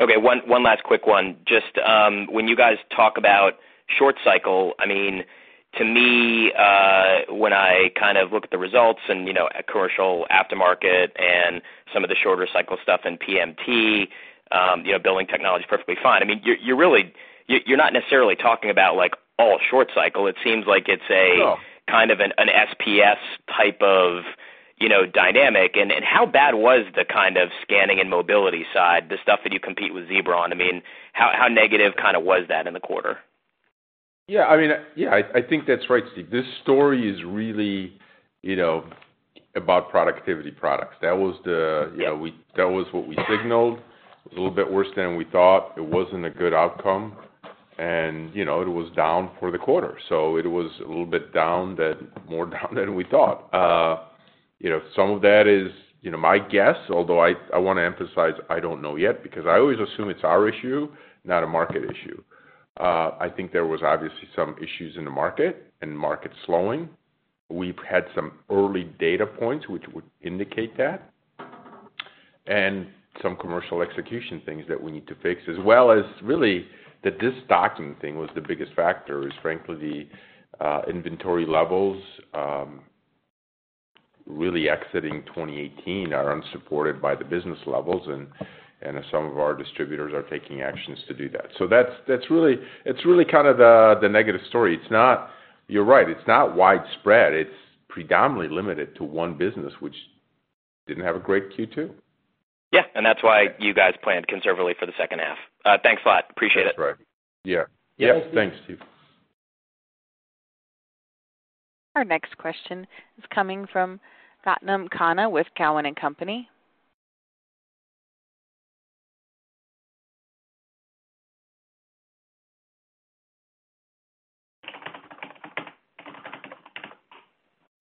Speaker 9: One last quick one. Just when you guys talk about short cycle, to me, when I kind of look at the results and commercial aftermarket and some of the shorter cycle stuff in PMT, Building Technologies, perfectly fine. You're not necessarily talking about all short cycle. It seems like it's a-
Speaker 4: No
Speaker 9: kind of an SPS type of dynamic. How bad was the kind of scanning and mobility side, the stuff that you compete with Zebra on? How negative kind of was that in the quarter?
Speaker 3: Yeah, I think that's right, Steve. This story is really about productivity products. That was the-
Speaker 4: Yeah
Speaker 3: that was what we signaled. It was a little bit worse than we thought. It wasn't a good outcome, and it was down for the quarter. It was a little bit down than more down than we thought. Some of that is my guess, although I want to emphasize I don't know yet, because I always assume it's our issue, not a market issue. I think there was obviously some issues in the market and market slowing. We've had some early data points which would indicate that, and some commercial execution things that we need to fix, as well as really that this stocking thing was the biggest factor, is frankly the inventory levels really exiting 2018 are unsupported by the business levels and some of our distributors are taking actions to do that. That's really kind of the negative story. You're right, it's not widespread. It's predominantly limited to one business, which didn't have a great Q2.
Speaker 9: Yeah, that's why you guys planned conservatively for the second half. Thanks a lot. Appreciate it.
Speaker 3: That's right. Yeah.
Speaker 4: Yeah, thanks, Steve.
Speaker 1: Our next question is coming from Gautam Khanna with Cowen and Company.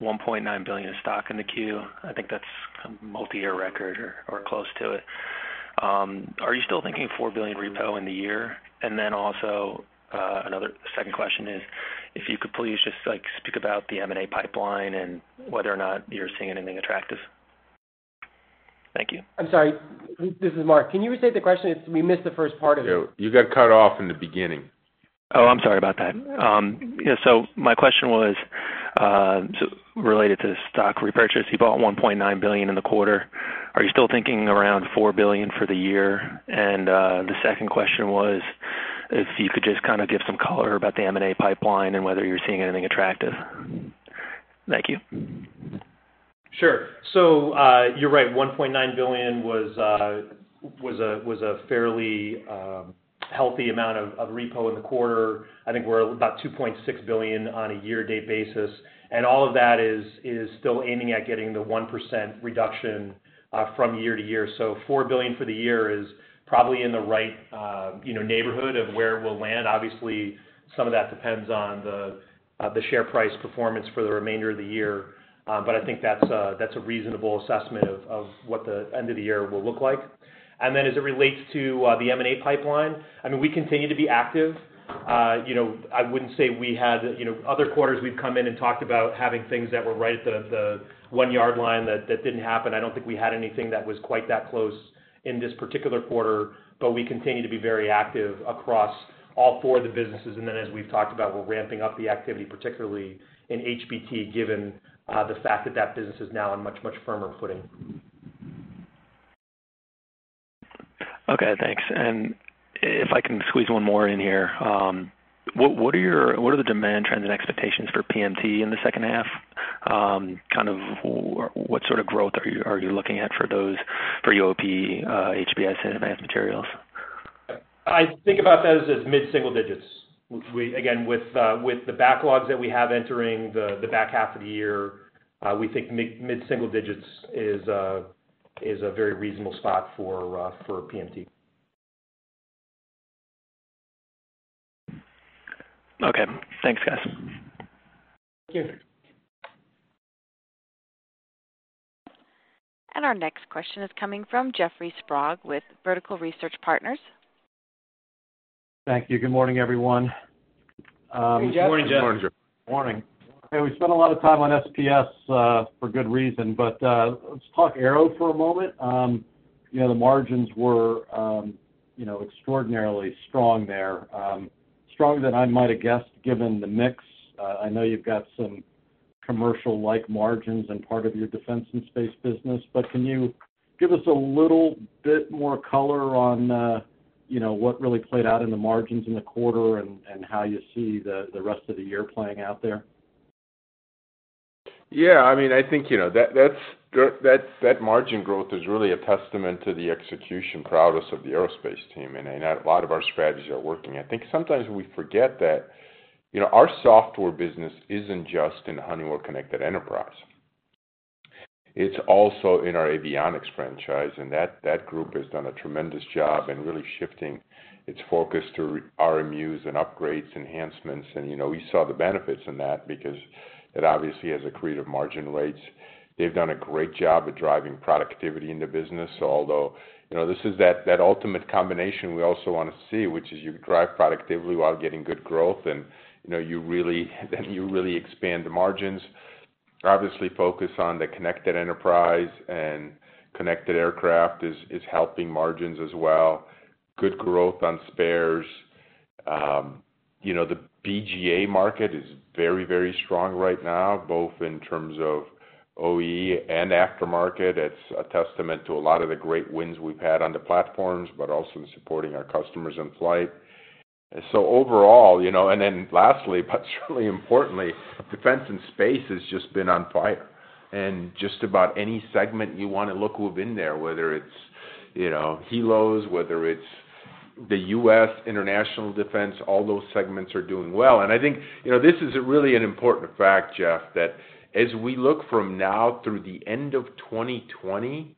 Speaker 10: $1.9 billion of stock in the queue. I think that's a multi-year record or close to it. Are you still thinking $4 billion repo in the year? Also, another second question is, if you could please just speak about the M&A pipeline and whether or not you're seeing anything attractive. Thank you.
Speaker 2: I'm sorry, this is Mark. Can you restate the question? We missed the first part of it.
Speaker 3: You got cut off in the beginning.
Speaker 10: Yeah, my question was, related to the stock repurchase. You bought $1.9 billion in the quarter. Are you still thinking around $4 billion for the year? The second question was, if you could just kind of give some color about the M&A pipeline and whether you're seeing anything attractive. Thank you.
Speaker 4: Sure. You're right, $1.9 billion was a fairly healthy amount of repo in the quarter. I think we're about $2.6 billion on a year-to-date basis, and all of that is still aiming at getting the 1% reduction from year-to-year. $4 billion for the year is probably in the right neighborhood of where we'll land. Obviously, some of that depends on the share price performance for the remainder of the year. I think that's a reasonable assessment of what the end of the year will look like. As it relates to the M&A pipeline, we continue to be active. Other quarters we'd come in and talked about having things that were right at the one-yard line that didn't happen. I don't think we had anything that was quite that close in this particular quarter, we continue to be very active across all four of the businesses. As we've talked about, we're ramping up the activity, particularly in HBT, given the fact that that business is now on much, much firmer footing.
Speaker 10: Okay, thanks. If I can squeeze one more in here, what are the demand trends and expectations for PMT in the second half? What sort of growth are you looking at for UOP, HPS, and Advanced Materials?
Speaker 4: I think about those as mid-single digits. Again, with the backlogs that we have entering the back half of the year, we think mid-single digits is a very reasonable spot for PMT.
Speaker 10: Okay. Thanks, guys.
Speaker 4: Thank you.
Speaker 1: Our next question is coming from Jeffrey Sprague with Vertical Research Partners.
Speaker 11: Thank you. Good morning, everyone.
Speaker 3: Good morning, Jeff.
Speaker 4: Morning, Jeff.
Speaker 11: Morning. Hey, we spent a lot of time on SPS, for good reason. Let's talk Aero for a moment. The margins were extraordinarily strong there. Stronger than I might have guessed, given the mix. I know you've got some commercial-like margins in part of your defense and space business. Can you give us a little bit more color on what really played out in the margins in the quarter and how you see the rest of the year playing out there?
Speaker 3: I think that margin growth is really a testament to the execution prowess of the Aerospace team. A lot of our strategies are working. I think sometimes we forget that our software business isn't just in Honeywell Connected Enterprise. It's also in our Avionics franchise. That group has done a tremendous job in really shifting its focus to RMUs and upgrades, enhancements. We saw the benefits in that because it obviously has accretive margin rates. They've done a great job at driving productivity in the business. This is that ultimate combination we also want to see, which is you drive productivity while getting good growth. Then you really expand the margins. Focus on the connected enterprise and connected aircraft is helping margins as well. Good growth on spares. The BGA market is very strong right now, both in terms of OE and aftermarket. It's a testament to a lot of the great wins we've had on the platforms. Also in supporting our customers in flight. Lastly, surely importantly, defense and space has just been on fire. Just about any segment you want to look, we've been there, whether it's helos, whether it's the U.S. international defense, all those segments are doing well. I think this is really an important fact, Jeff, that as we look from now through the end of 2020,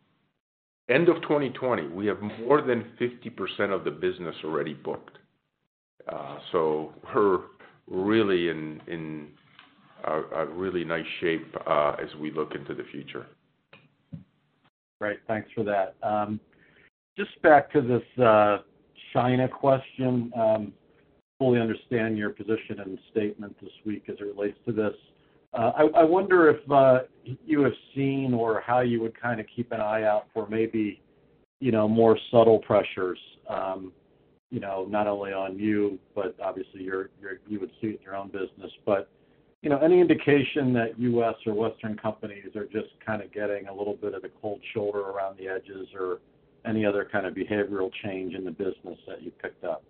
Speaker 3: we have more than 50% of the business already booked. We're really in a really nice shape as we look into the future.
Speaker 11: Great. Thanks for that. Just back to this China question. Fully understand your position and statement this week as it relates to this. I wonder if you have seen, or how you would kind of keep an eye out for maybe more subtle pressures, not only on you, but obviously you would suit your own business, but any indication that U.S. or Western companies are just kind of getting a little bit of the cold shoulder around the edges, or any other kind of behavioral change in the business that you picked up?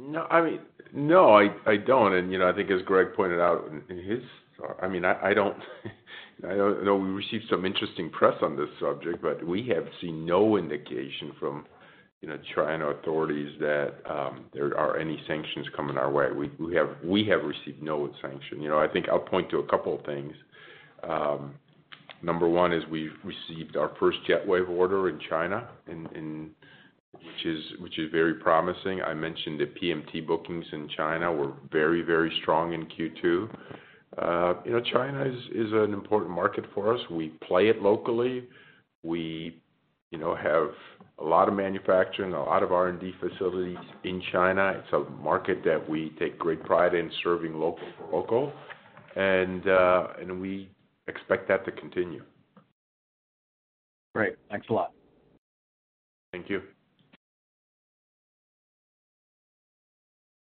Speaker 3: No, I don't. I think as Greg pointed out, I mean, I know we received some interesting press on this subject, but we have seen no indication from China authorities that there are any sanctions coming our way. We have received no sanction. I think I'll point to a couple of things. Number one is we've received our first JetWave order in China, which is very promising. I mentioned the PMT bookings in China were very strong in Q2. China is an important market for us. We play it locally. We have a lot of manufacturing, a lot of R&D facilities in China. It's a market that we take great pride in serving local for local, and we expect that to continue.
Speaker 11: Great. Thanks a lot.
Speaker 3: Thank you.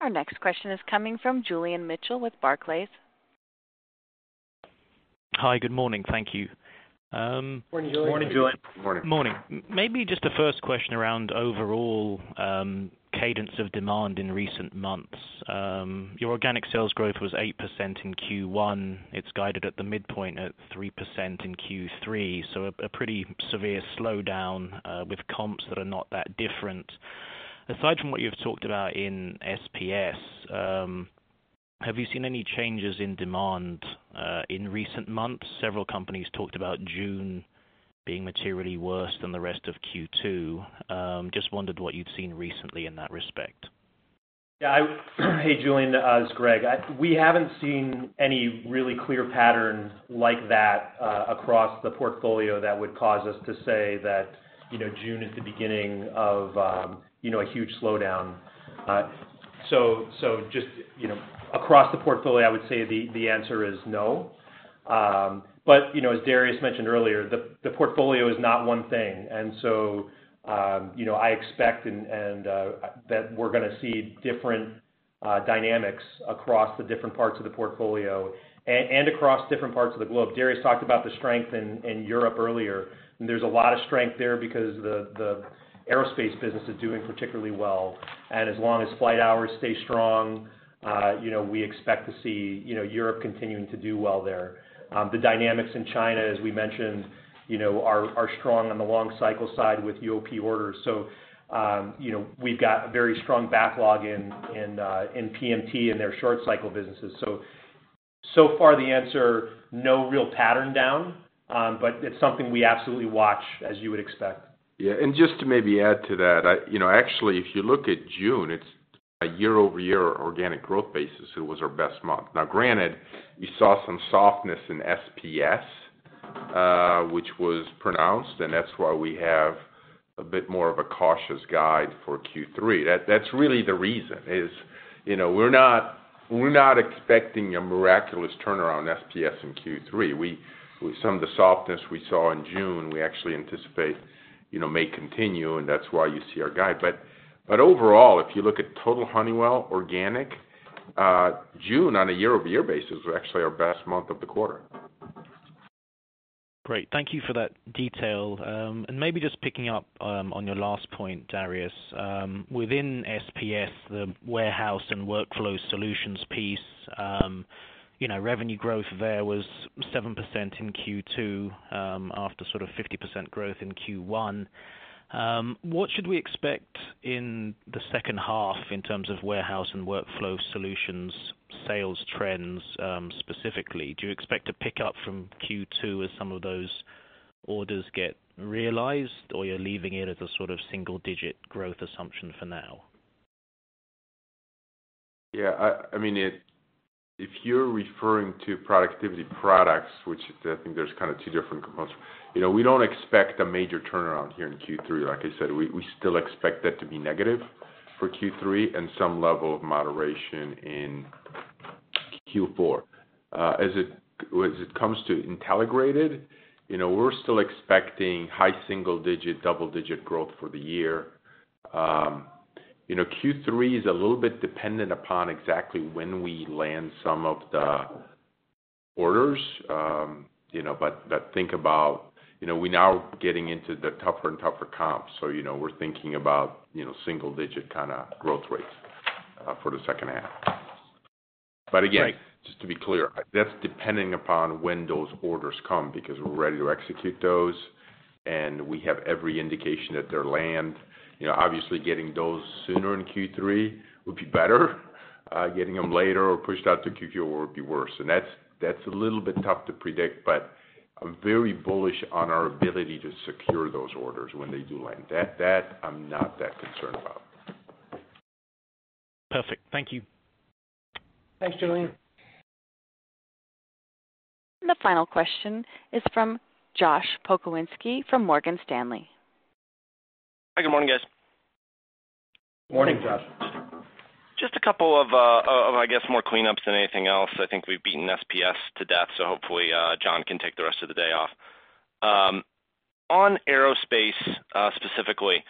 Speaker 1: Our next question is coming from Julian Mitchell with Barclays.
Speaker 12: Hi, good morning. Thank you.
Speaker 4: Morning, Julian.
Speaker 2: Morning, Julian.
Speaker 3: Morning.
Speaker 12: Morning. The first question around overall cadence of demand in recent months. Your organic sales growth was 8% in Q1. It's guided at the midpoint at 3% in Q3, a pretty severe slowdown, with comps that are not that different. Aside from what you've talked about in SPS, have you seen any changes in demand in recent months? Several companies talked about June being materially worse than the rest of Q2. Wondered what you'd seen recently in that respect.
Speaker 4: Yeah. Hey, Julian, it's Greg. We haven't seen any really clear pattern like that across the portfolio that would cause us to say that June is the beginning of a huge slowdown. Across the portfolio, I would say the answer is no. As Darius mentioned earlier, the portfolio is not one thing. I expect that we're going to see different dynamics across the different parts of the portfolio and across different parts of the globe. Darius talked about the strength in Europe earlier, and there's a lot of strength there because the Aerospace business is doing particularly well. And as long as flight hours stay strong, we expect to see Europe continuing to do well there. The dynamics in China, as we mentioned, are strong on the long cycle side with UOP orders. We've got a very strong backlog in PMT in their short cycle businesses. No real pattern down, but it's something we absolutely watch, as you would expect.
Speaker 3: Yeah, just to maybe add to that, actually if you look at June, it's a year-over-year organic growth basis, it was our best month. Now granted, we saw some softness in SPS, which was pronounced, and that's why we have a bit more of a cautious guide for Q3. That's really the reason; is we're not expecting a miraculous turnaround in SPS in Q3. With some of the softness we saw in June, we actually anticipate may continue, and that's why you see our guide. Overall, if you look at total Honeywell organic, June on a year-over-year basis was actually our best month of the quarter.
Speaker 12: Great. Thank you for that detail. Maybe just picking up on your last point, Darius. Within SPS, the warehouse and workflow solutions piece, revenue growth there was 7% in Q2, after sort of 50% growth in Q1. What should we expect in the second half in terms of warehouse and workflow solutions sales trends, specifically? Do you expect a pickup from Q2 as some of those orders get realized, or you're leaving it as a sort of single-digit growth assumption for now?
Speaker 3: Yeah. If you're referring to productivity products, which I think there's kind of two different components, we don't expect a major turnaround here in Q3. Like I said, we still expect that to be negative for Q3 and some level of moderation in Q4. As it comes to Intelligrated, we're still expecting high single-digit, double-digit growth for the year. Q3 is a little bit dependent upon exactly when we land some of the orders. Think about we now getting into the tougher and tougher comps, so we're thinking about single-digit kind of growth rates for the second half.
Speaker 12: Right
Speaker 3: Just to be clear, that's depending upon when those orders come, because we're ready to execute those, and we have every indication that they'll land. Obviously, getting those sooner in Q3 would be better. Getting them later or pushed out to Q4 would be worse. That's a little bit tough to predict, but I'm very bullish on our ability to secure those orders when they do land. That, I'm not that concerned about.
Speaker 12: Perfect. Thank you.
Speaker 4: Thanks, Julian.
Speaker 1: The final question is from Josh Pokrzywinski from Morgan Stanley.
Speaker 13: Hi, good morning, guys.
Speaker 4: Morning, Josh.
Speaker 13: Just a couple of, I guess, more cleanups than anything else. I think we've beaten SPS to death, so hopefully John can take the rest of the day off. On Aerospace specifically,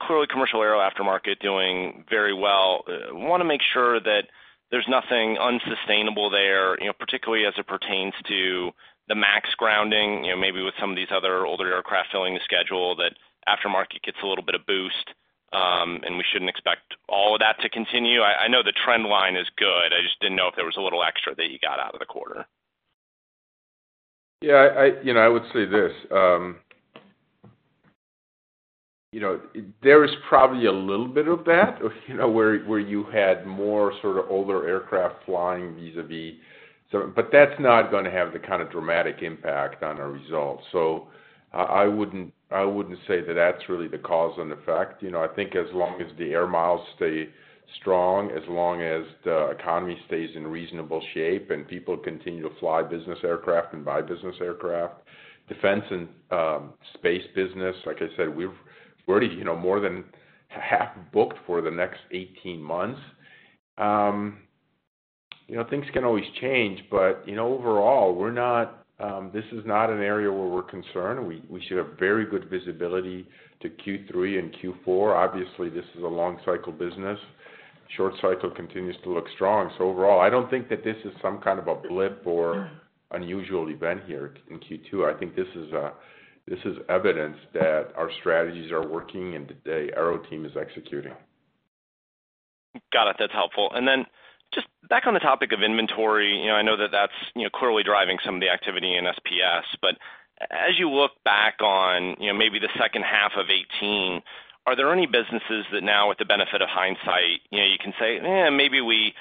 Speaker 13: clearly commercial aero aftermarket doing very well. Want to make sure that there's nothing unsustainable there, particularly as it pertains to the MAX grounding, maybe with some of these other older aircraft filling the schedule, that aftermarket gets a little bit of boost, and we shouldn't expect all of that to continue? I know the trend line is good. I just didn't know if there was a little extra that you got out of the quarter.
Speaker 3: Yeah, I would say this. There is probably a little bit of that, where you had more sort of older aircraft flying vis-a-vis. That's not going to have the kind of dramatic impact on our results. I wouldn't say that that's really the cause and effect. I think as long as the air miles stay strong, as long as the economy stays in reasonable shape and people continue to fly business aircraft and buy business aircraft, defense and space business, like I said, we're already more than half booked for the next 18 months. Things can always change, overall, this is not an area where we're concerned. We should have very good visibility to Q3 and Q4. Obviously, this is a long cycle business. Short cycle continues to look strong. Overall, I don't think that this is some kind of a blip or unusual event here in Q2. I think this is evidence that our strategies are working, and the Aero team is executing.
Speaker 13: Got it. That's helpful. Just back on the topic of inventory, I know that that's clearly driving some of the activity in SPS, as you look back on maybe the second half of 2018, are there any businesses that now with the benefit of hindsight, you can say, "Eh, maybe we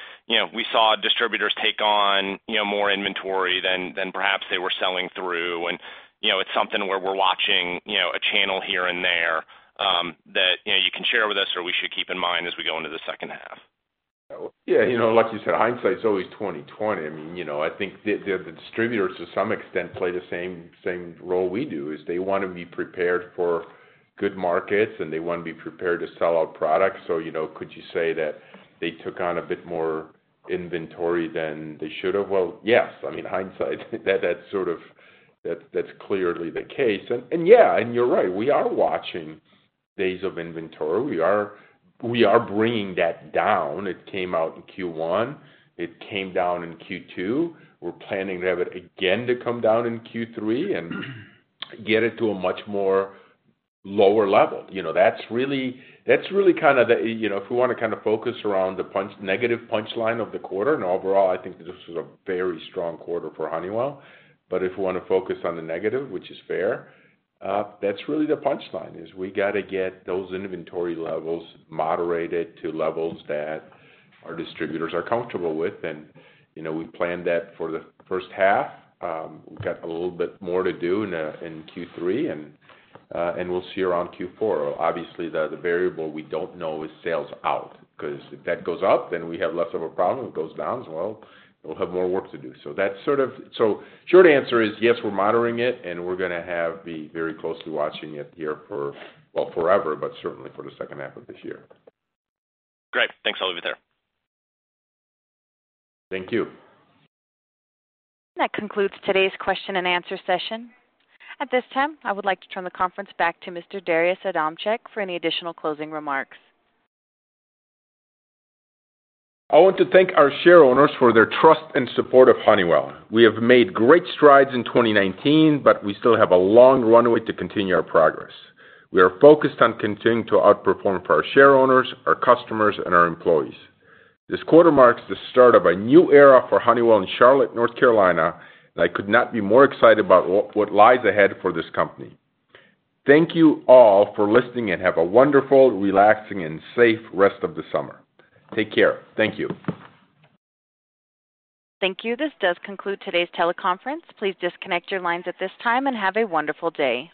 Speaker 13: saw distributors take on more inventory than perhaps they were selling through," and it's something where we're watching a channel here and there that you can share with us or we should keep in mind as we go into the second half?
Speaker 3: Yes. Like you said, hindsight is always 20/20. I think the distributors to some extent play the same role we do, is they want to be prepared for good markets, and they want to be prepared to sell out products. Could you say that they took on a bit more inventory than they should have? Yes. I mean, hindsight, that's clearly the case. Yes, you're right, we are watching days of inventory. We are bringing that down. It came out in Q1. It came down in Q2. We're planning to have it again to come down in Q3 and get it to a much more lower level. If we want to kind of focus around the negative punchline of the quarter, overall, I think this was a very strong quarter for Honeywell, if we want to focus on the negative, which is fair, that's really the punchline, is we got to get those inventory levels moderated to levels that our distributors are comfortable with. We planned that for the first half. We've got a little bit more to do in Q3, we'll see around Q4. Obviously, the variable we don't know is sales out, because if that goes up, then we have less of a problem. It goes down, as well, we'll have more work to do. Short answer is, yes, we're monitoring it, and we're going to have be very closely watching it here for, well, forever, but certainly for the second half of this year.
Speaker 13: Great. Thanks. I'll leave it there.
Speaker 3: Thank you.
Speaker 1: That concludes today's question and answer session. At this time, I would like to turn the conference back to Mr. Darius Adamczyk for any additional closing remarks.
Speaker 3: I want to thank our shareowners for their trust and support of Honeywell. We have made great strides in 2019. We still have a long runway to continue our progress. We are focused on continuing to outperform for our shareowners, our customers, and our employees. This quarter marks the start of a new era for Honeywell in Charlotte, North Carolina. I could not be more excited about what lies ahead for this company. Thank you all for listening. Have a wonderful, relaxing, and safe rest of the summer. Take care. Thank you.
Speaker 1: Thank you. This does conclude today's teleconference. Please disconnect your lines at this time. Have a wonderful day.